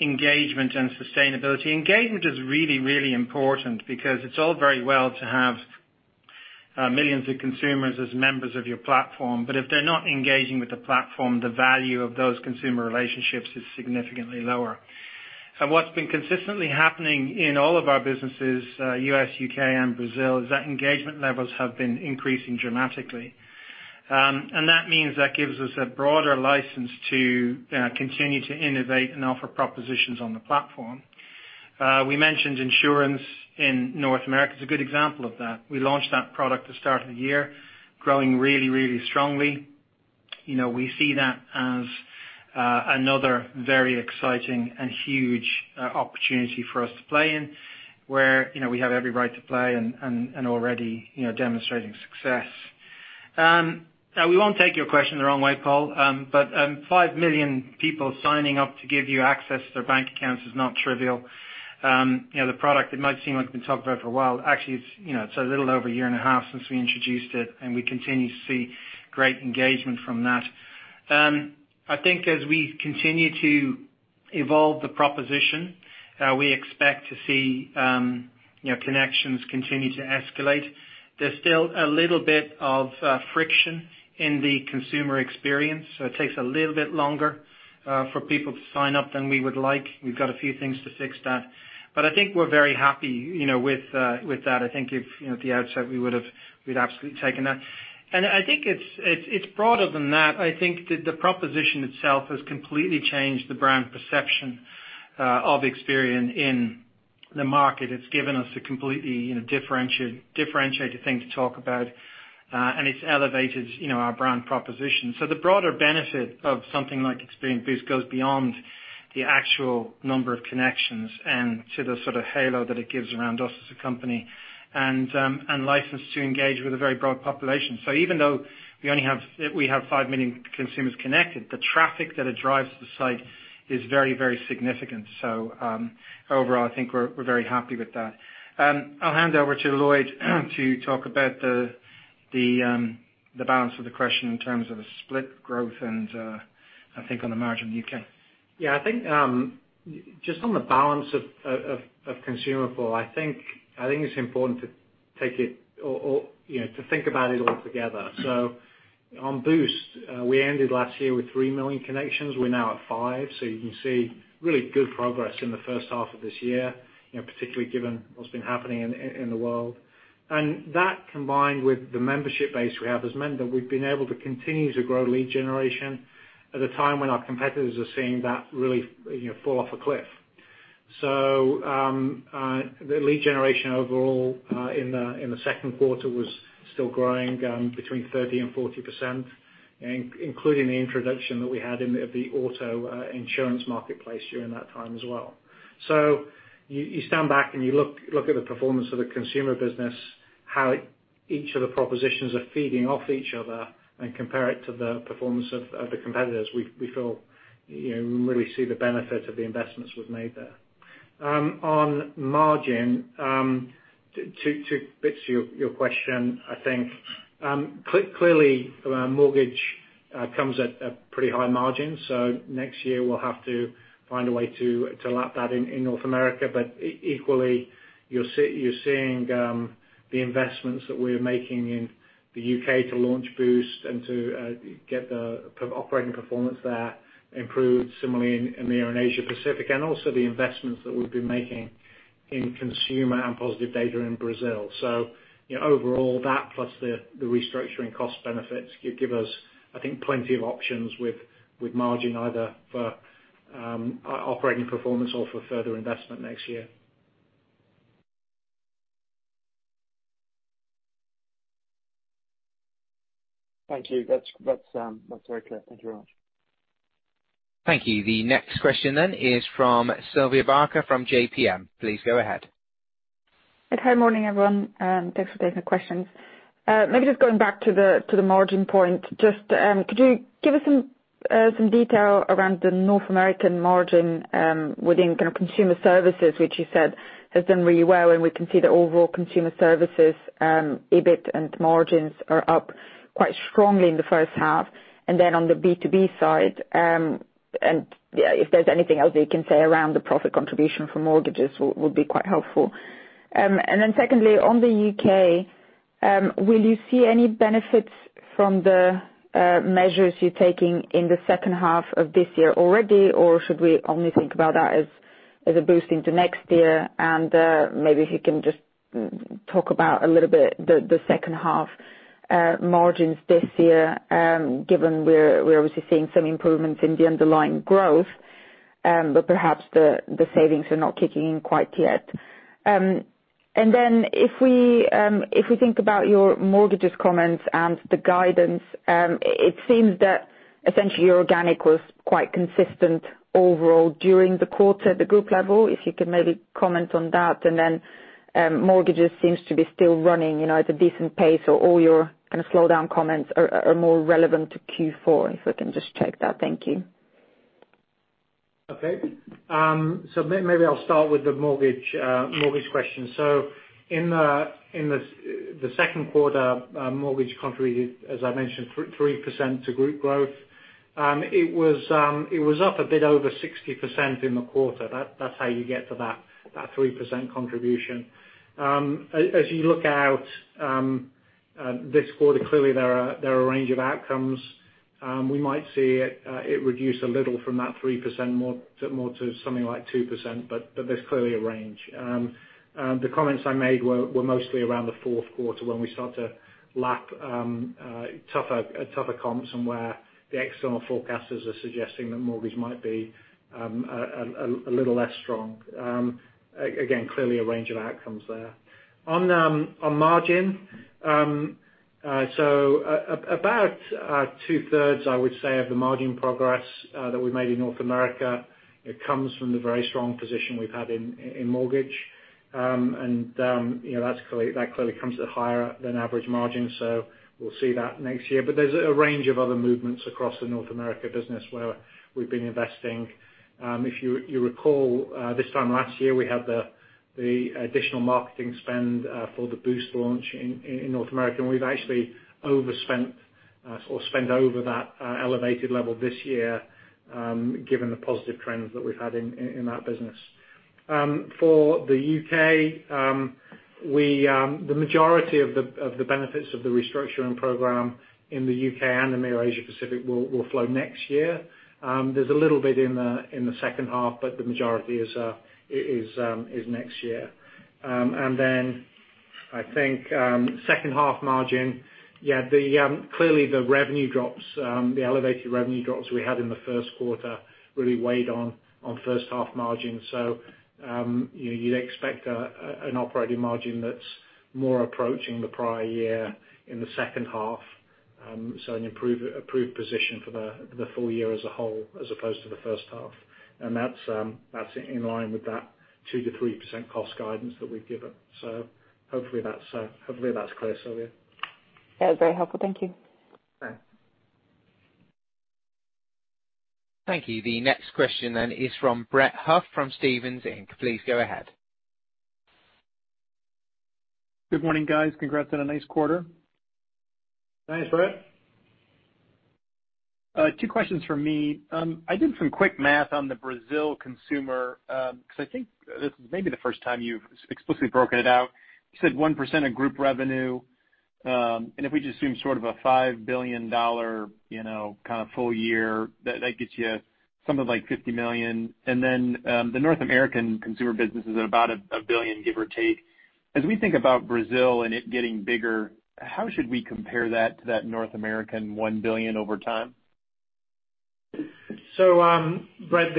engagement and sustainability. Engagement is really, really important because it's all very well to have millions of consumers as members of your platform, but if they're not engaging with the platform, the value of those consumer relationships is significantly lower. What's been consistently happening in all of our businesses, U.S., U.K., and Brazil, is that engagement levels have been increasing dramatically. That means that gives us a broader license to continue to innovate and offer propositions on the platform. We mentioned insurance in North America is a good example of that. We launched that product at the start of the year, growing really strongly. We see that as another very exciting and huge opportunity for us to play in, where we have every right to play and are already demonstrating success. We won't take your question the wrong way, Paul, five million people signing up to give you access to their bank accounts is not trivial. The product, it might seem like we've been talking about it for a while. Actually, it's a little over a year and a half since we introduced it, and we continue to see great engagement from that. I think as we continue to evolve the proposition, we expect to see connections continue to escalate. There's still a little bit of friction in the consumer experience. It takes a little bit longer for people to sign up than we would like. We've got a few things to fix that. I think we're very happy with that. I think at the outset, we'd absolutely taken that. I think it's broader than that. I think that the proposition itself has completely changed the brand perception of Experian in the market. It's given us a completely differentiated thing to talk about, and it's elevated our brand proposition. The broader benefit of something like Experian Boost goes beyond the actual number of connections and to the sort of halo that it gives around us as a company, and license to engage with a very broad population. Even though we have five million consumers connected, the traffic that it drives to the site is very, very significant. Overall, I think we're very happy with that. I'll hand over to Lloyd to talk about the balance of the question in terms of the split growth and, I think on the margin in U.K. Yeah, I think just on the balance of Consumer for, I think it's important to think about it all together. On Boost, we ended last year with three million connections. We're now at five. You can see really good progress in the first half of this year, particularly given what's been happening in the world. That, combined with the membership base we have, has meant that we've been able to continue to grow lead generation at a time when our competitors are seeing that really fall off a cliff. The lead generation overall in the second quarter was still growing between 30% and 40%, including the introduction that we had in the auto insurance marketplace during that time as well. You stand back and you look at the performance of the Consumer business, how each of the propositions are feeding off each other, and compare it to the performance of the competitors. We feel we really see the benefit of the investments we've made there. On margin, two bits to your question, I think. Clearly, mortgage comes at a pretty high margin. Next year we'll have to find a way to lap that in North America. Equally, you're seeing the investments that we're making in the U.K. to launch Boost and to get the operating performance there improved similarly in the Asia Pacific, and also the investments that we've been making in consumer and Positive Data in Brazil. Overall, that plus the restructuring cost benefits give us, I think, plenty of options with margin either for operating performance or for further investment next year. Thank you. That is very clear. Thank you very much. Thank you. The next question then is from Sylvia Barker from JPM. Please go ahead. Hi. Good morning, everyone. Thanks for taking the questions. Maybe just going back to the margin point, just could you give us some detail around the North American margin within Consumer Services, which you said has done really well, and we can see the overall Consumer Services, EBIT and margins are up quite strongly in the first half. On the B2B side, if there's anything else that you can say around the profit contribution for mortgages will be quite helpful. Secondly, on the U.K., will you see any benefits from the measures you're taking in the second half of this year already, or should we only think about that as a boost into next year? Maybe if you can just talk about a little bit the second half margins this year, given we're obviously seeing some improvements in the underlying growth, but perhaps the savings are not kicking in quite yet. If we think about your mortgages comments and the guidance, it seems that essentially your organic was quite consistent overall during the quarter at the group level. If you could maybe comment on that, and then mortgages seems to be still running at a decent pace. All your kind of slowdown comments are more relevant to Q4. If we can just check that. Thank you. Okay. Maybe I'll start with the mortgage question. In the second quarter, mortgage contributed, as I mentioned, 3% to group growth. It was up a bit over 60% in the quarter. That's how you get to that 3% contribution. As you look out this quarter, clearly there are a range of outcomes. We might see it reduce a little from that 3% more to something like 2%, but there's clearly a range. The comments I made were mostly around the fourth quarter when we start to lap a tougher comp somewhere. The external forecasters are suggesting that mortgage might be a little less strong. Again, clearly a range of outcomes there. On margin. About 2/3, I would say, of the margin progress that we made in North America, it comes from the very strong position we've had in mortgage. That clearly comes at a higher than average margin. We'll see that next year. There's a range of other movements across the North America business where we've been investing. If you recall, this time last year, we had the additional marketing spend for the Boost launch in North America, and we've actually overspent or spent over that elevated level this year, given the positive trends that we've had in that business. For the U.K., the majority of the benefits of the restructuring program in the U.K. and the Asia Pacific will flow next year. There's a little bit in the second half, but the majority is next year. I think second half margin. Clearly, the elevated revenue drops we had in the first quarter really weighed on first half margin. You'd expect an operating margin that's more approaching the prior year in the second half, so an improved position for the full year as a whole as opposed to the first half. That's in line with that 2%-3% cost guidance that we've given. Hopefully that's clear, Sylvia. That was very helpful. Thank you. Thanks. Thank you. The next question then is from Brett Huff from Stephens Inc. Please go ahead. Good morning, guys. Congrats on a nice quarter. Thanks, Brett. Two questions from me. I did some quick math on the Brazil consumer, because I think this is maybe the first time you've explicitly broken it out. You said 1% of group revenue. If we just assume sort of a $5 billion kind of full year, that gets you something like $50 million. The North American consumer business is about $1 billion, give or take. As we think about Brazil and it getting bigger, how should we compare that to that North American $1 billion over time? Brett,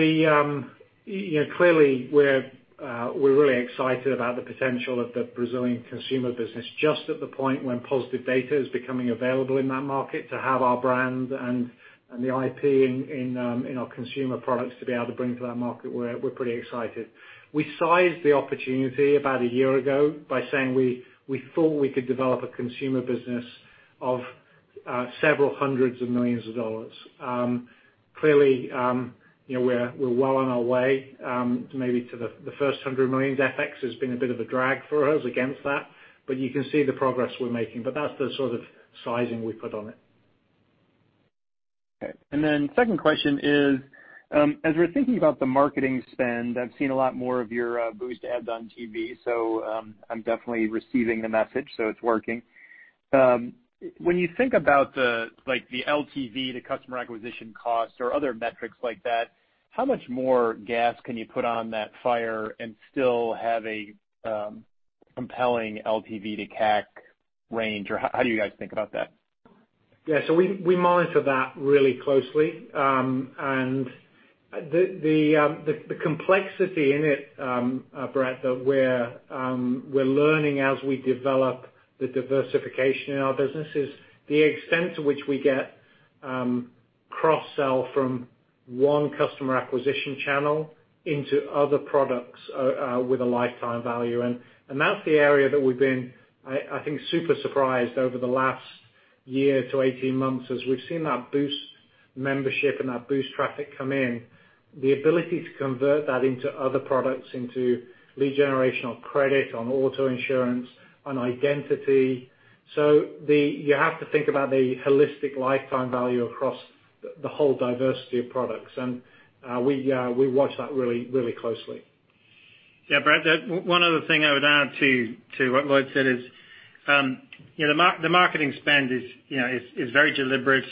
clearly, we're really excited about the potential of the Brazilian consumer business. Just at the point when Positive Data is becoming available in that market to have our brand and the IP in our consumer products to be able to bring to that market, we're pretty excited. We sized the opportunity about a year ago by saying we thought we could develop a consumer business of several hundreds of millions of dollars. Clearly, we're well on our way to maybe to the first hundred millions. FX has been a bit of a drag for us against that. You can see the progress we're making. That's the sort of sizing we put on it. Okay. Second question is, as we're thinking about the marketing spend, I've seen a lot more of your Boost ads on TV, so I'm definitely receiving the message, so it's working. When you think about the LTV to customer acquisition cost or other metrics like that, how much more gas can you put on that fire and still have a compelling LTV to CAC range? How do you guys think about that? We monitor that really closely. The complexity in it, Brett, that we're learning as we develop the diversification in our business is the extent to which we get cross-sell from one customer acquisition channel into other products with a lifetime value in. That's the area that we've been, I think, super surprised over the last year to 18 months as we've seen that Boost membership and that Boost traffic come in, the ability to convert that into other products, into lead generation on credit, on auto insurance, on identity. You have to think about the holistic lifetime value across the whole diversity of products. We watch that really closely. Brett, one other thing I would add to what Lloyd said is the marketing spend is very deliberate.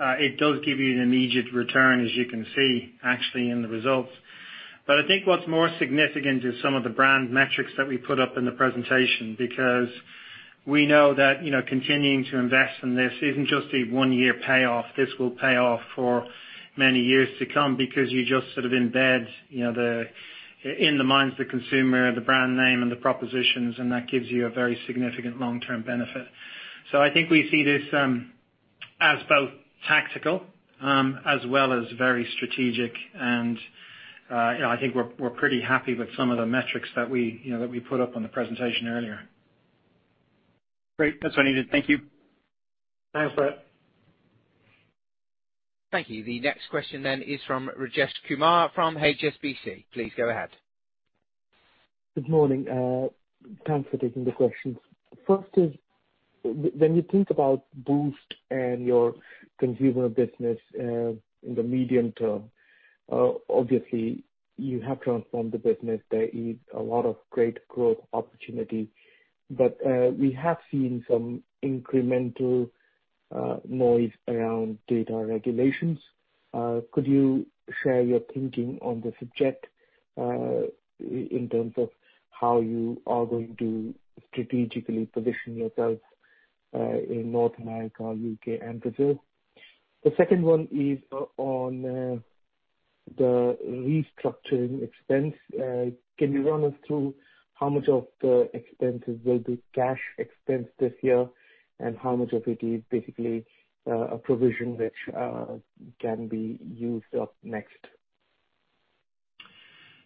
It does give you an immediate return, as you can see, actually in the results. I think what's more significant is some of the brand metrics that we put up in the presentation, because we know that continuing to invest in this isn't just a one-year payoff. This will pay off for many years to come because you just sort of embed in the minds of the consumer, the brand name and the propositions, and that gives you a very significant long-term benefit. I think we see this as both tactical as well as very strategic. I think we're pretty happy with some of the metrics that we put up on the presentation earlier. Great. That's what I needed. Thank you. Thanks, Brett. Thank you. The next question then is from Rajesh Kumar from HSBC. Please go ahead. Good morning. Thanks for taking the questions. First is, when you think about Boost and your consumer business in the medium term, obviously you have transformed the business. There is a lot of great growth opportunity. We have seen some incremental noise around data regulations. Could you share your thinking on the subject in terms of how you are going to strategically position yourselves in North America, U.K., and Brazil? The second one is on the restructuring expense. Can you run us through how much of the expenses will be cash expense this year, and how much of it is basically a provision which can be used up next?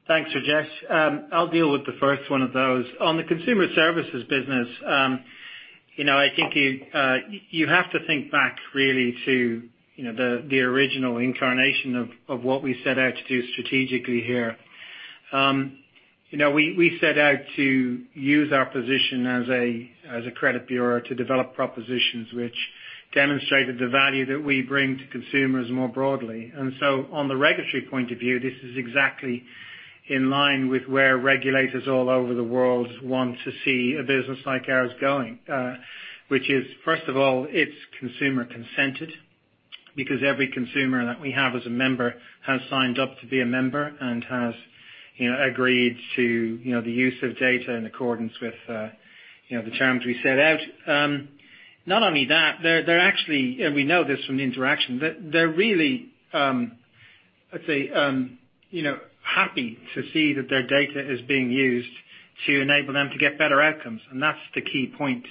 Thanks, Rajesh. I'll deal with the first one of those. On the consumer services business, I think you have to think back really to the original incarnation of what we set out to do strategically here. We set out to use our position as a credit bureau to develop propositions which demonstrated the value that we bring to consumers more broadly. On the regulatory point of view, this is exactly in line with where regulators all over the world want to see a business like ours going, which is, first of all, it's consumer consented. Because every consumer that we have as a member has signed up to be a member and has agreed to the use of data in accordance with the terms we set out. Not only that, they're actually, and we know this from the interaction, they're really happy to see that their data is being used to enable them to get better outcomes. That's the key point.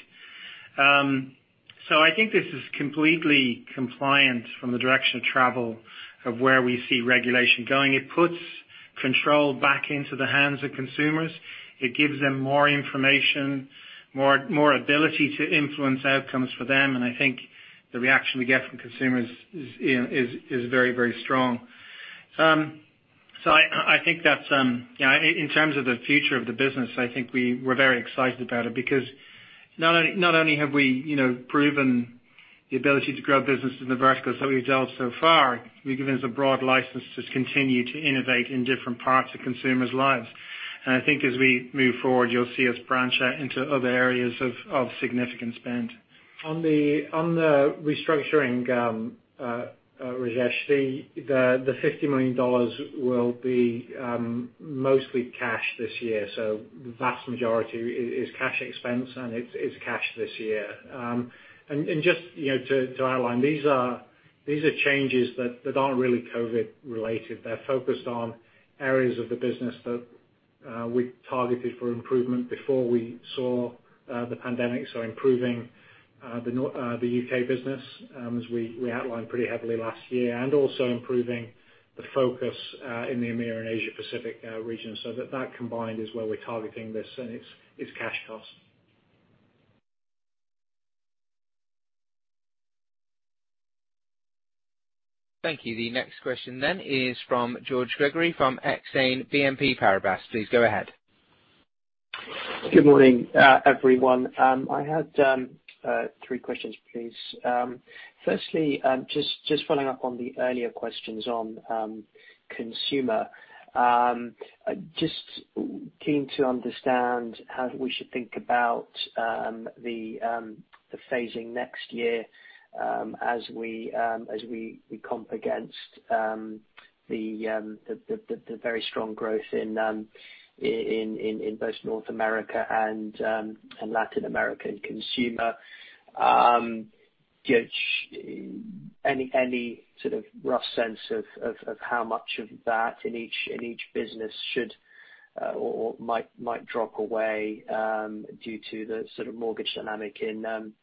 I think this is completely compliant from the direction of travel of where we see regulation going. It puts control back into the hands of consumers. It gives them more information, more ability to influence outcomes for them, and I think the reaction we get from consumers is very strong. I think that in terms of the future of the business, I think we're very excited about it because not only have we proven the ability to grow business in the verticals that we've dealt so far, we've given us a broad license to continue to innovate in different parts of consumers' lives. I think as we move forward, you'll see us branch out into other areas of significant spend. On the restructuring, Rajesh, the $50 million will be mostly cash this year. The vast majority is cash expense, and it's cash this year. Just to outline, these are changes that aren't really COVID-19 related. They're focused on areas of the business that we targeted for improvement before we saw the pandemic. Improving the U.K. business, as we outlined pretty heavily last year, and also improving the focus in the EMEA/Asia Pacific region. That combined is where we're targeting this, and it's cash cost. Thank you. The next question then is from George Gregory from Exane BNP Paribas. Please go ahead. Good morning, everyone. I had three questions, please. Firstly, just following up on the earlier questions on consumer. Just keen to understand how we should think about the phasing next year as we comp against the very strong growth in both North America and Latin American consumer. Any sort of rough sense of how much of that in each business should or might drop away due to the sort of mortgage dynamic in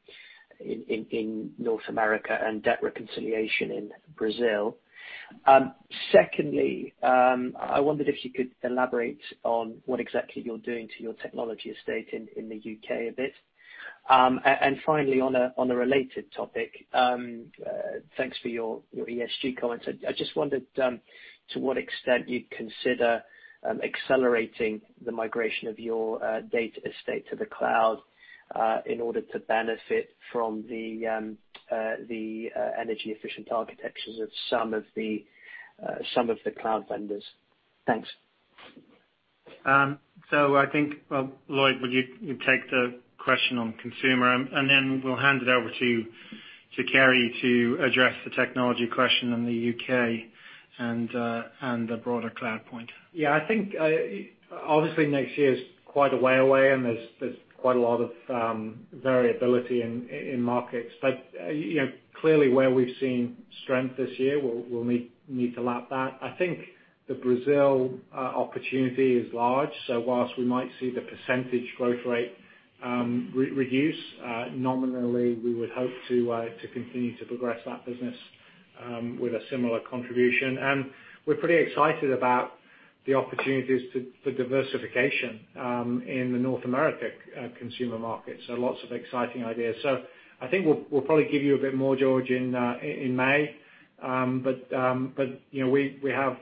North America and debt reconciliation in Brazil? Secondly, I wondered if you could elaborate on what exactly you're doing to your technology estate in the U.K. a bit. Finally, on a related topic, thanks for your ESG comments. I just wondered to what extent you'd consider accelerating the migration of your data estate to the cloud in order to benefit from the energy efficient architectures of some of the cloud vendors. Thanks. I think, Lloyd, would you take the question on consumer, and then we'll hand it over to Kerry to address the technology question in the U.K. and the broader cloud point. I think obviously next year is quite a way away, and there's quite a lot of variability in markets. Clearly where we've seen strength this year, we'll need to lap that. I think the Brazil opportunity is large. Whilst we might see the percentage growth rate reduce nominally, we would hope to continue to progress that business with a similar contribution. We're pretty excited about the opportunities for diversification in the North America consumer market. Lots of exciting ideas. I think we'll probably give you a bit more, George, in May. We have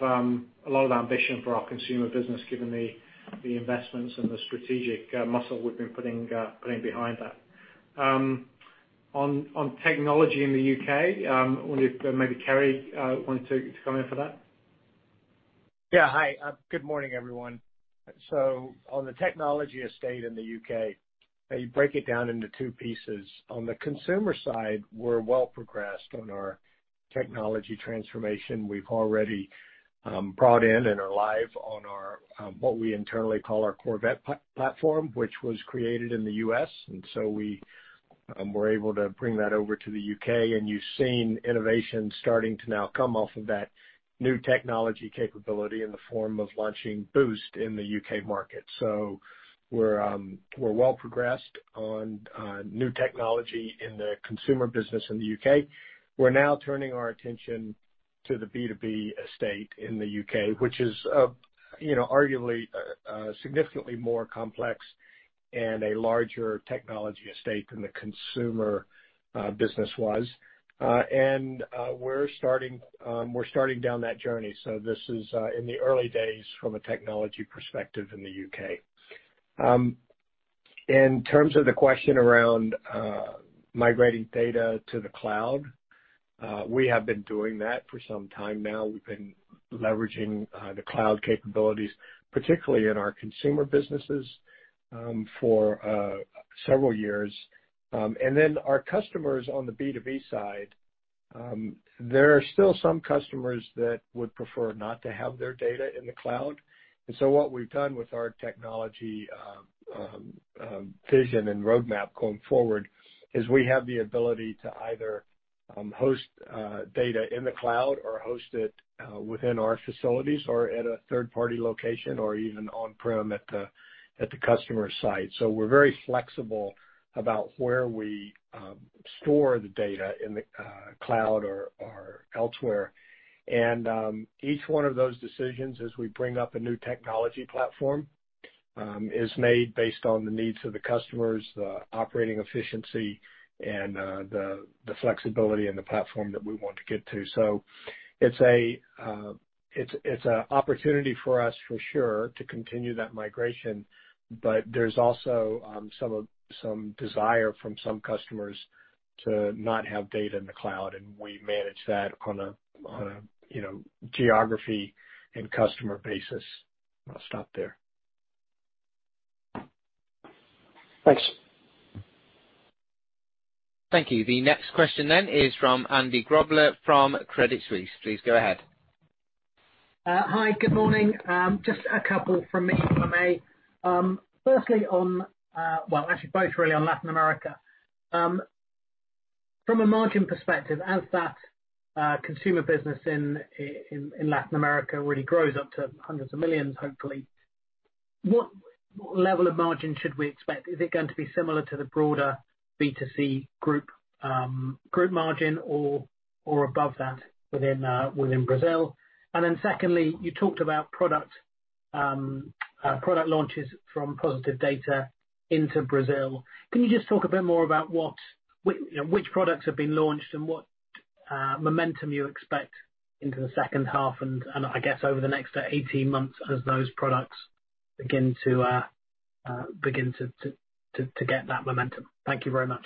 a lot of ambition for our consumer business given the investments and the strategic muscle we've been putting behind that. On technology in the U.K., I wonder if maybe Kerry wanted to come in for that. Hi. Good morning, everyone. On the technology estate in the U.K., you break it down into two pieces. On the consumer side, we're well progressed on our technology transformation. We've already brought in and are live on our what we internally call our Corvette platform, which was created in the U.S., and so we were able to bring that over to the U.K. You've seen innovation starting to now come off of that new technology capability in the form of launching Boost in the U.K. market. We're well progressed on new technology in the consumer business in the U.K. We're now turning our attention to the B2B estate in the U.K., which is arguably significantly more complex and a larger technology estate than the consumer business was. We're starting down that journey. This is in the early days from a technology perspective in the U.K. In terms of the question around migrating data to the cloud we have been doing that for some time now. We've been leveraging the cloud capabilities, particularly in our consumer businesses, for several years. Then our customers on the B2B side. There are still some customers that would prefer not to have their data in the cloud. What we've done with our technology vision and roadmap going forward is we have the ability to either host data in the cloud or host it within our facilities or at a third-party location or even on-prem at the customer site. We're very flexible about where we store the data in the cloud or elsewhere. Each one of those decisions as we bring up a new technology platform is made based on the needs of the customers, the operating efficiency, and the flexibility in the platform that we want to get to. It's an opportunity for us, for sure, to continue that migration. There's also some desire from some customers to not have data in the cloud, and we manage that on a geography and customer basis. I'll stop there. Thanks. Thank you. The next question is from Andy Grobler from Credit Suisse. Please go ahead. Hi, good morning. Just a couple from me, if I may. Firstly well, actually, both really on Latin America. From a margin perspective, as that consumer business in Latin America really grows up to hundreds of millions, hopefully. What level of margin should we expect? Is it going to be similar to the broader B2C group margin or above that within Brazil? Secondly, you talked about product launches from Positive Data into Brazil. Can you just talk a bit more about which products have been launched and what momentum you expect into the second half and, I guess, over the next 18 months as those products begin to get that momentum? Thank you very much.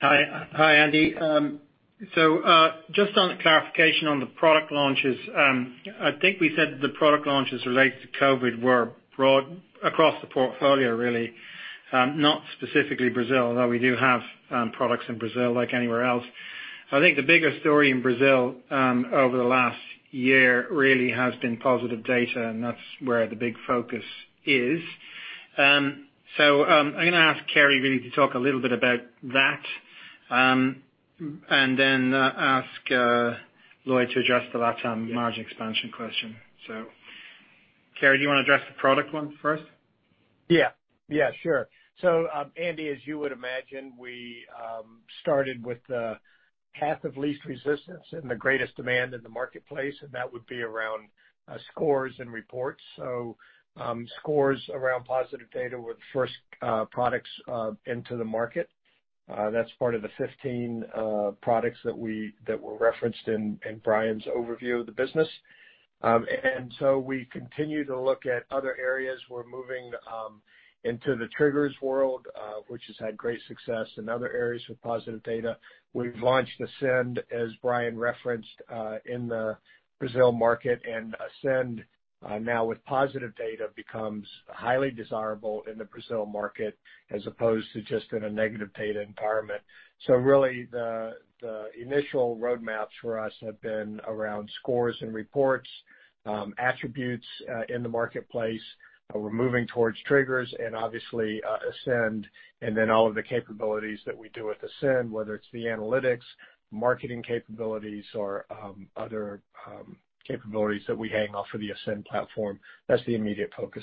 Hi, Andy. Just on the clarification on the product launches. I think we said the product launches related to COVID-19 were broad across the portfolio, really, not specifically Brazil, although we do have products in Brazil like anywhere else. I'm going to ask Kerry really to talk a little bit about that. And then ask Lloyd to address the Latin margin expansion question. Kerry, do you want to address the product one first? Yeah. Sure. Andy, as you would imagine, we started with the path of least resistance and the greatest demand in the marketplace, and that would be around scores and reports. Scores around Positive Data were the first products into the market. That's part of the 15 products that were referenced in Brian's overview of the business. We continue to look at other areas. We're moving into the triggers world, which has had great success in other areas with Positive Data. We've launched Ascend, as Brian referenced, in the Brazil market, and Ascend now with Positive Data becomes highly desirable in the Brazil market as opposed to just in a negative data environment. Really the initial roadmaps for us have been around scores and reports, attributes in the marketplace. We're moving towards triggers and obviously Ascend, and then all of the capabilities that we do with Ascend, whether it's the analytics, marketing capabilities, or other capabilities that we hang off of the Ascend platform. That's the immediate focus.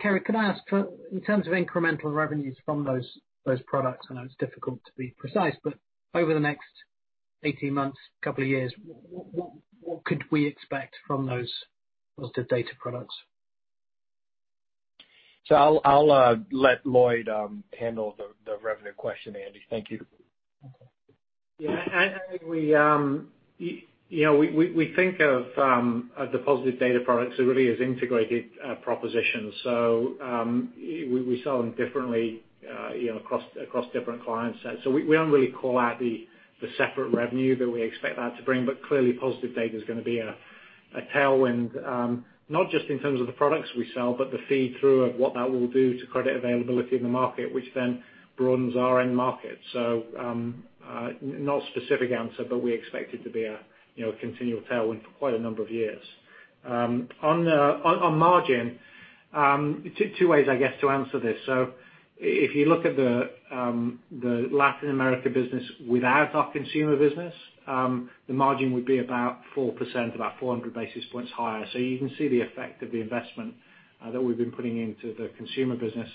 Kerry, could I ask, in terms of incremental revenues from those products, I know it's difficult to be precise, but over the next 18 months, couple of years, what could we expect from those Positive Data products? I'll let Lloyd handle the revenue question, Andy. Thank you. Andy, we think of the Positive Data products really as integrated propositions. We sell them differently across different client sets. We don't really call out the separate revenue that we expect that to bring. Clearly Positive Data is going to be a tailwind, not just in terms of the products we sell, but the feed through of what that will do to credit availability in the market, which then broadens our end market. Not specific answer, but we expect it to be a continual tailwind for quite a number of years. On margin, two ways I guess to answer this. If you look at the Latin America business without our consumer business, the margin would be about 4%, about 400 basis points higher. You can see the effect of the investment that we've been putting into the consumer business.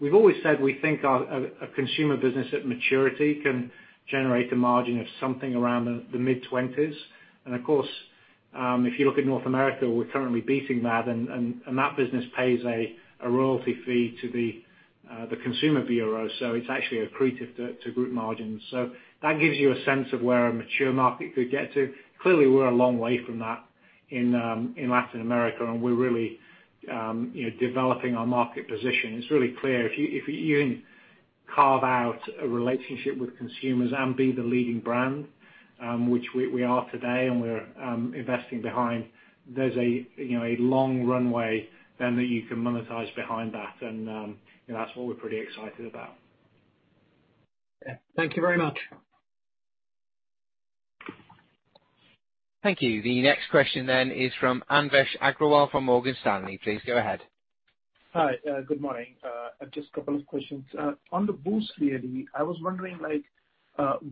We've always said we think our consumer business at maturity can generate a margin of something around the mid-20s. Of course, if you look at North America, we're currently beating that and that business pays a royalty fee to the consumer bureau. It's actually accretive to group margins. That gives you a sense of where a mature market could get to. Clearly, we're a long way from that in Latin America, and we're really developing our market position. It's really clear. If you can carve out a relationship with consumers and be the leading brand, which we are today, and we're investing behind. There's a long runway then that you can monetize behind that, and that's what we're pretty excited about. Yeah. Thank you very much. Thank you. The next question then is from Anvesh Agrawal from Morgan Stanley. Please go ahead. Hi. Good morning. Just a couple of questions. On the Boost, really, I was wondering,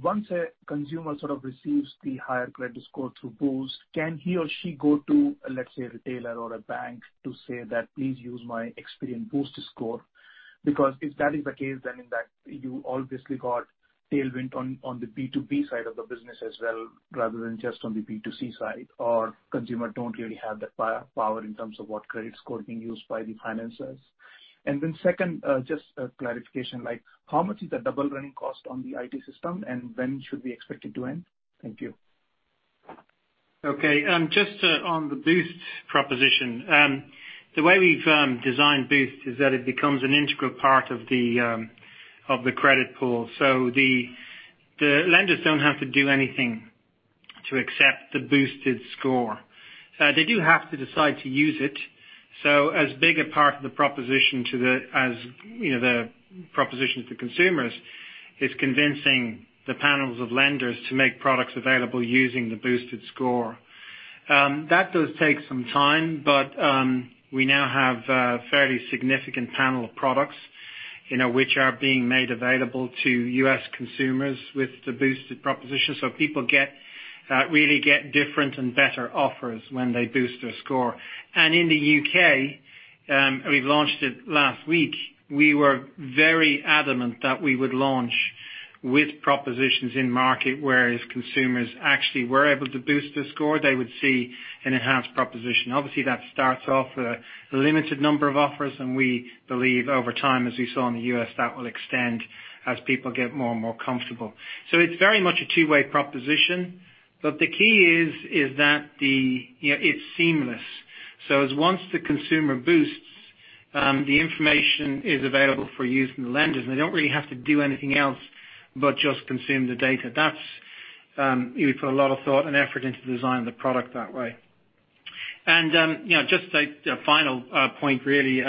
once a consumer sort of receives the higher credit score through Boost, can he or she go to, let's say, a retailer or a bank to say that, "Please use my Experian Boost score"? If that is the case, then in that you obviously got tailwind on the B2B side of the business as well, rather than just on the B2C side. Consumer don't really have that power in terms of what credit score being used by the financers. Second, just a clarification. How much is the double running cost on the IT system, and when should we expect it to end? Thank you. Just on the Boost proposition the way we've designed Boost is that it becomes an integral part of the credit pool. The lenders don't have to do anything to accept the Boosted score. They do have to decide to use it. As big a part of the proposition to the consumers is convincing the panels of lenders to make products available using the Boosted score. That does take some time, we now have a fairly significant panel of products which are being made available to U.S. consumers with the Boosted proposition, people really get different and better offers when they Boost their score. In the U.K. we've launched it last week. We were very adamant that we would launch with propositions in market, whereas consumers actually were able to Boost the score, they would see an enhanced proposition. Obviously, that starts off with a limited number of offers, and we believe over time, as we saw in the U.S., that will extend as people get more and more comfortable. It's very much a two-way proposition, but the key is that it's seamless. Once the consumer Boosts, the information is available for use from the lenders, and they don't really have to do anything else but just consume the data. We put a lot of thought and effort into designing the product that way. Just a final point, really.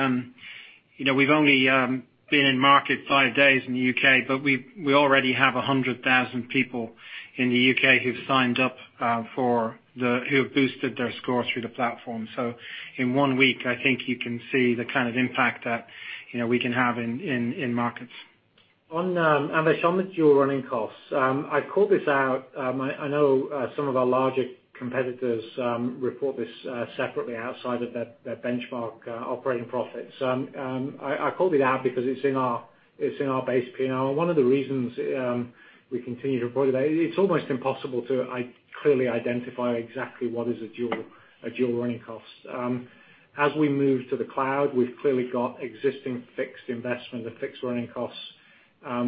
We've only been in market five days in the U.K., but we already have 100,000 people in the U.K. who have Boosted their score through the platform. In one week, I think you can see the kind of impact that we can have in markets. Anvesh, on the dual running costs, I called this out. I know some of our larger competitors report this separately outside of their benchmark operating profits. I called it out because it's in our base P&L. One of the reasons we continue to report it's almost impossible to clearly identify exactly what is a dual running cost. As we move to the cloud, we've clearly got existing fixed investment and fixed running costs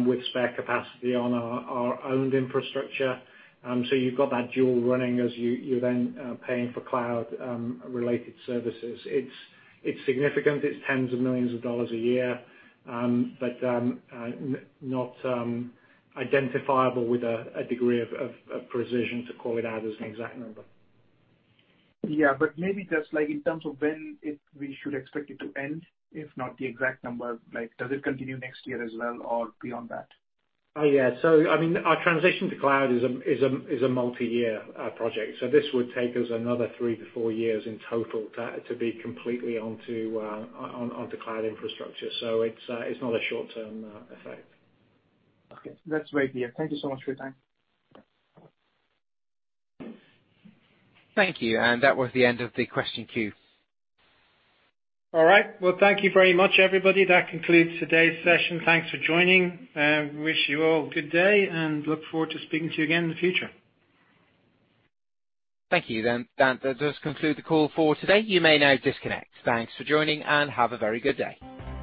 with spare capacity on our owned infrastructure. You've got that dual running as you're then paying for cloud-related services. It's significant. It's tens of millions of dollars a year. Not identifiable with a degree of precision to call it out as an exact number. Yeah, maybe just in terms of when we should expect it to end, if not the exact number. Does it continue next year as well or beyond that? Oh, yeah. Our transition to cloud is a multi-year project. This would take us another three to four years in total to be completely onto cloud infrastructure. It's not a short-term effect. Okay. That's great to hear. Thank you so much for your time. Thank you. That was the end of the question queue. All right. Well, thank you very much, everybody. That concludes today's session. Thanks for joining, and wish you all good day, and look forward to speaking to you again in the future. Thank you, then. That does conclude the call for today. You may now disconnect. Thanks for joining. Have a very good day.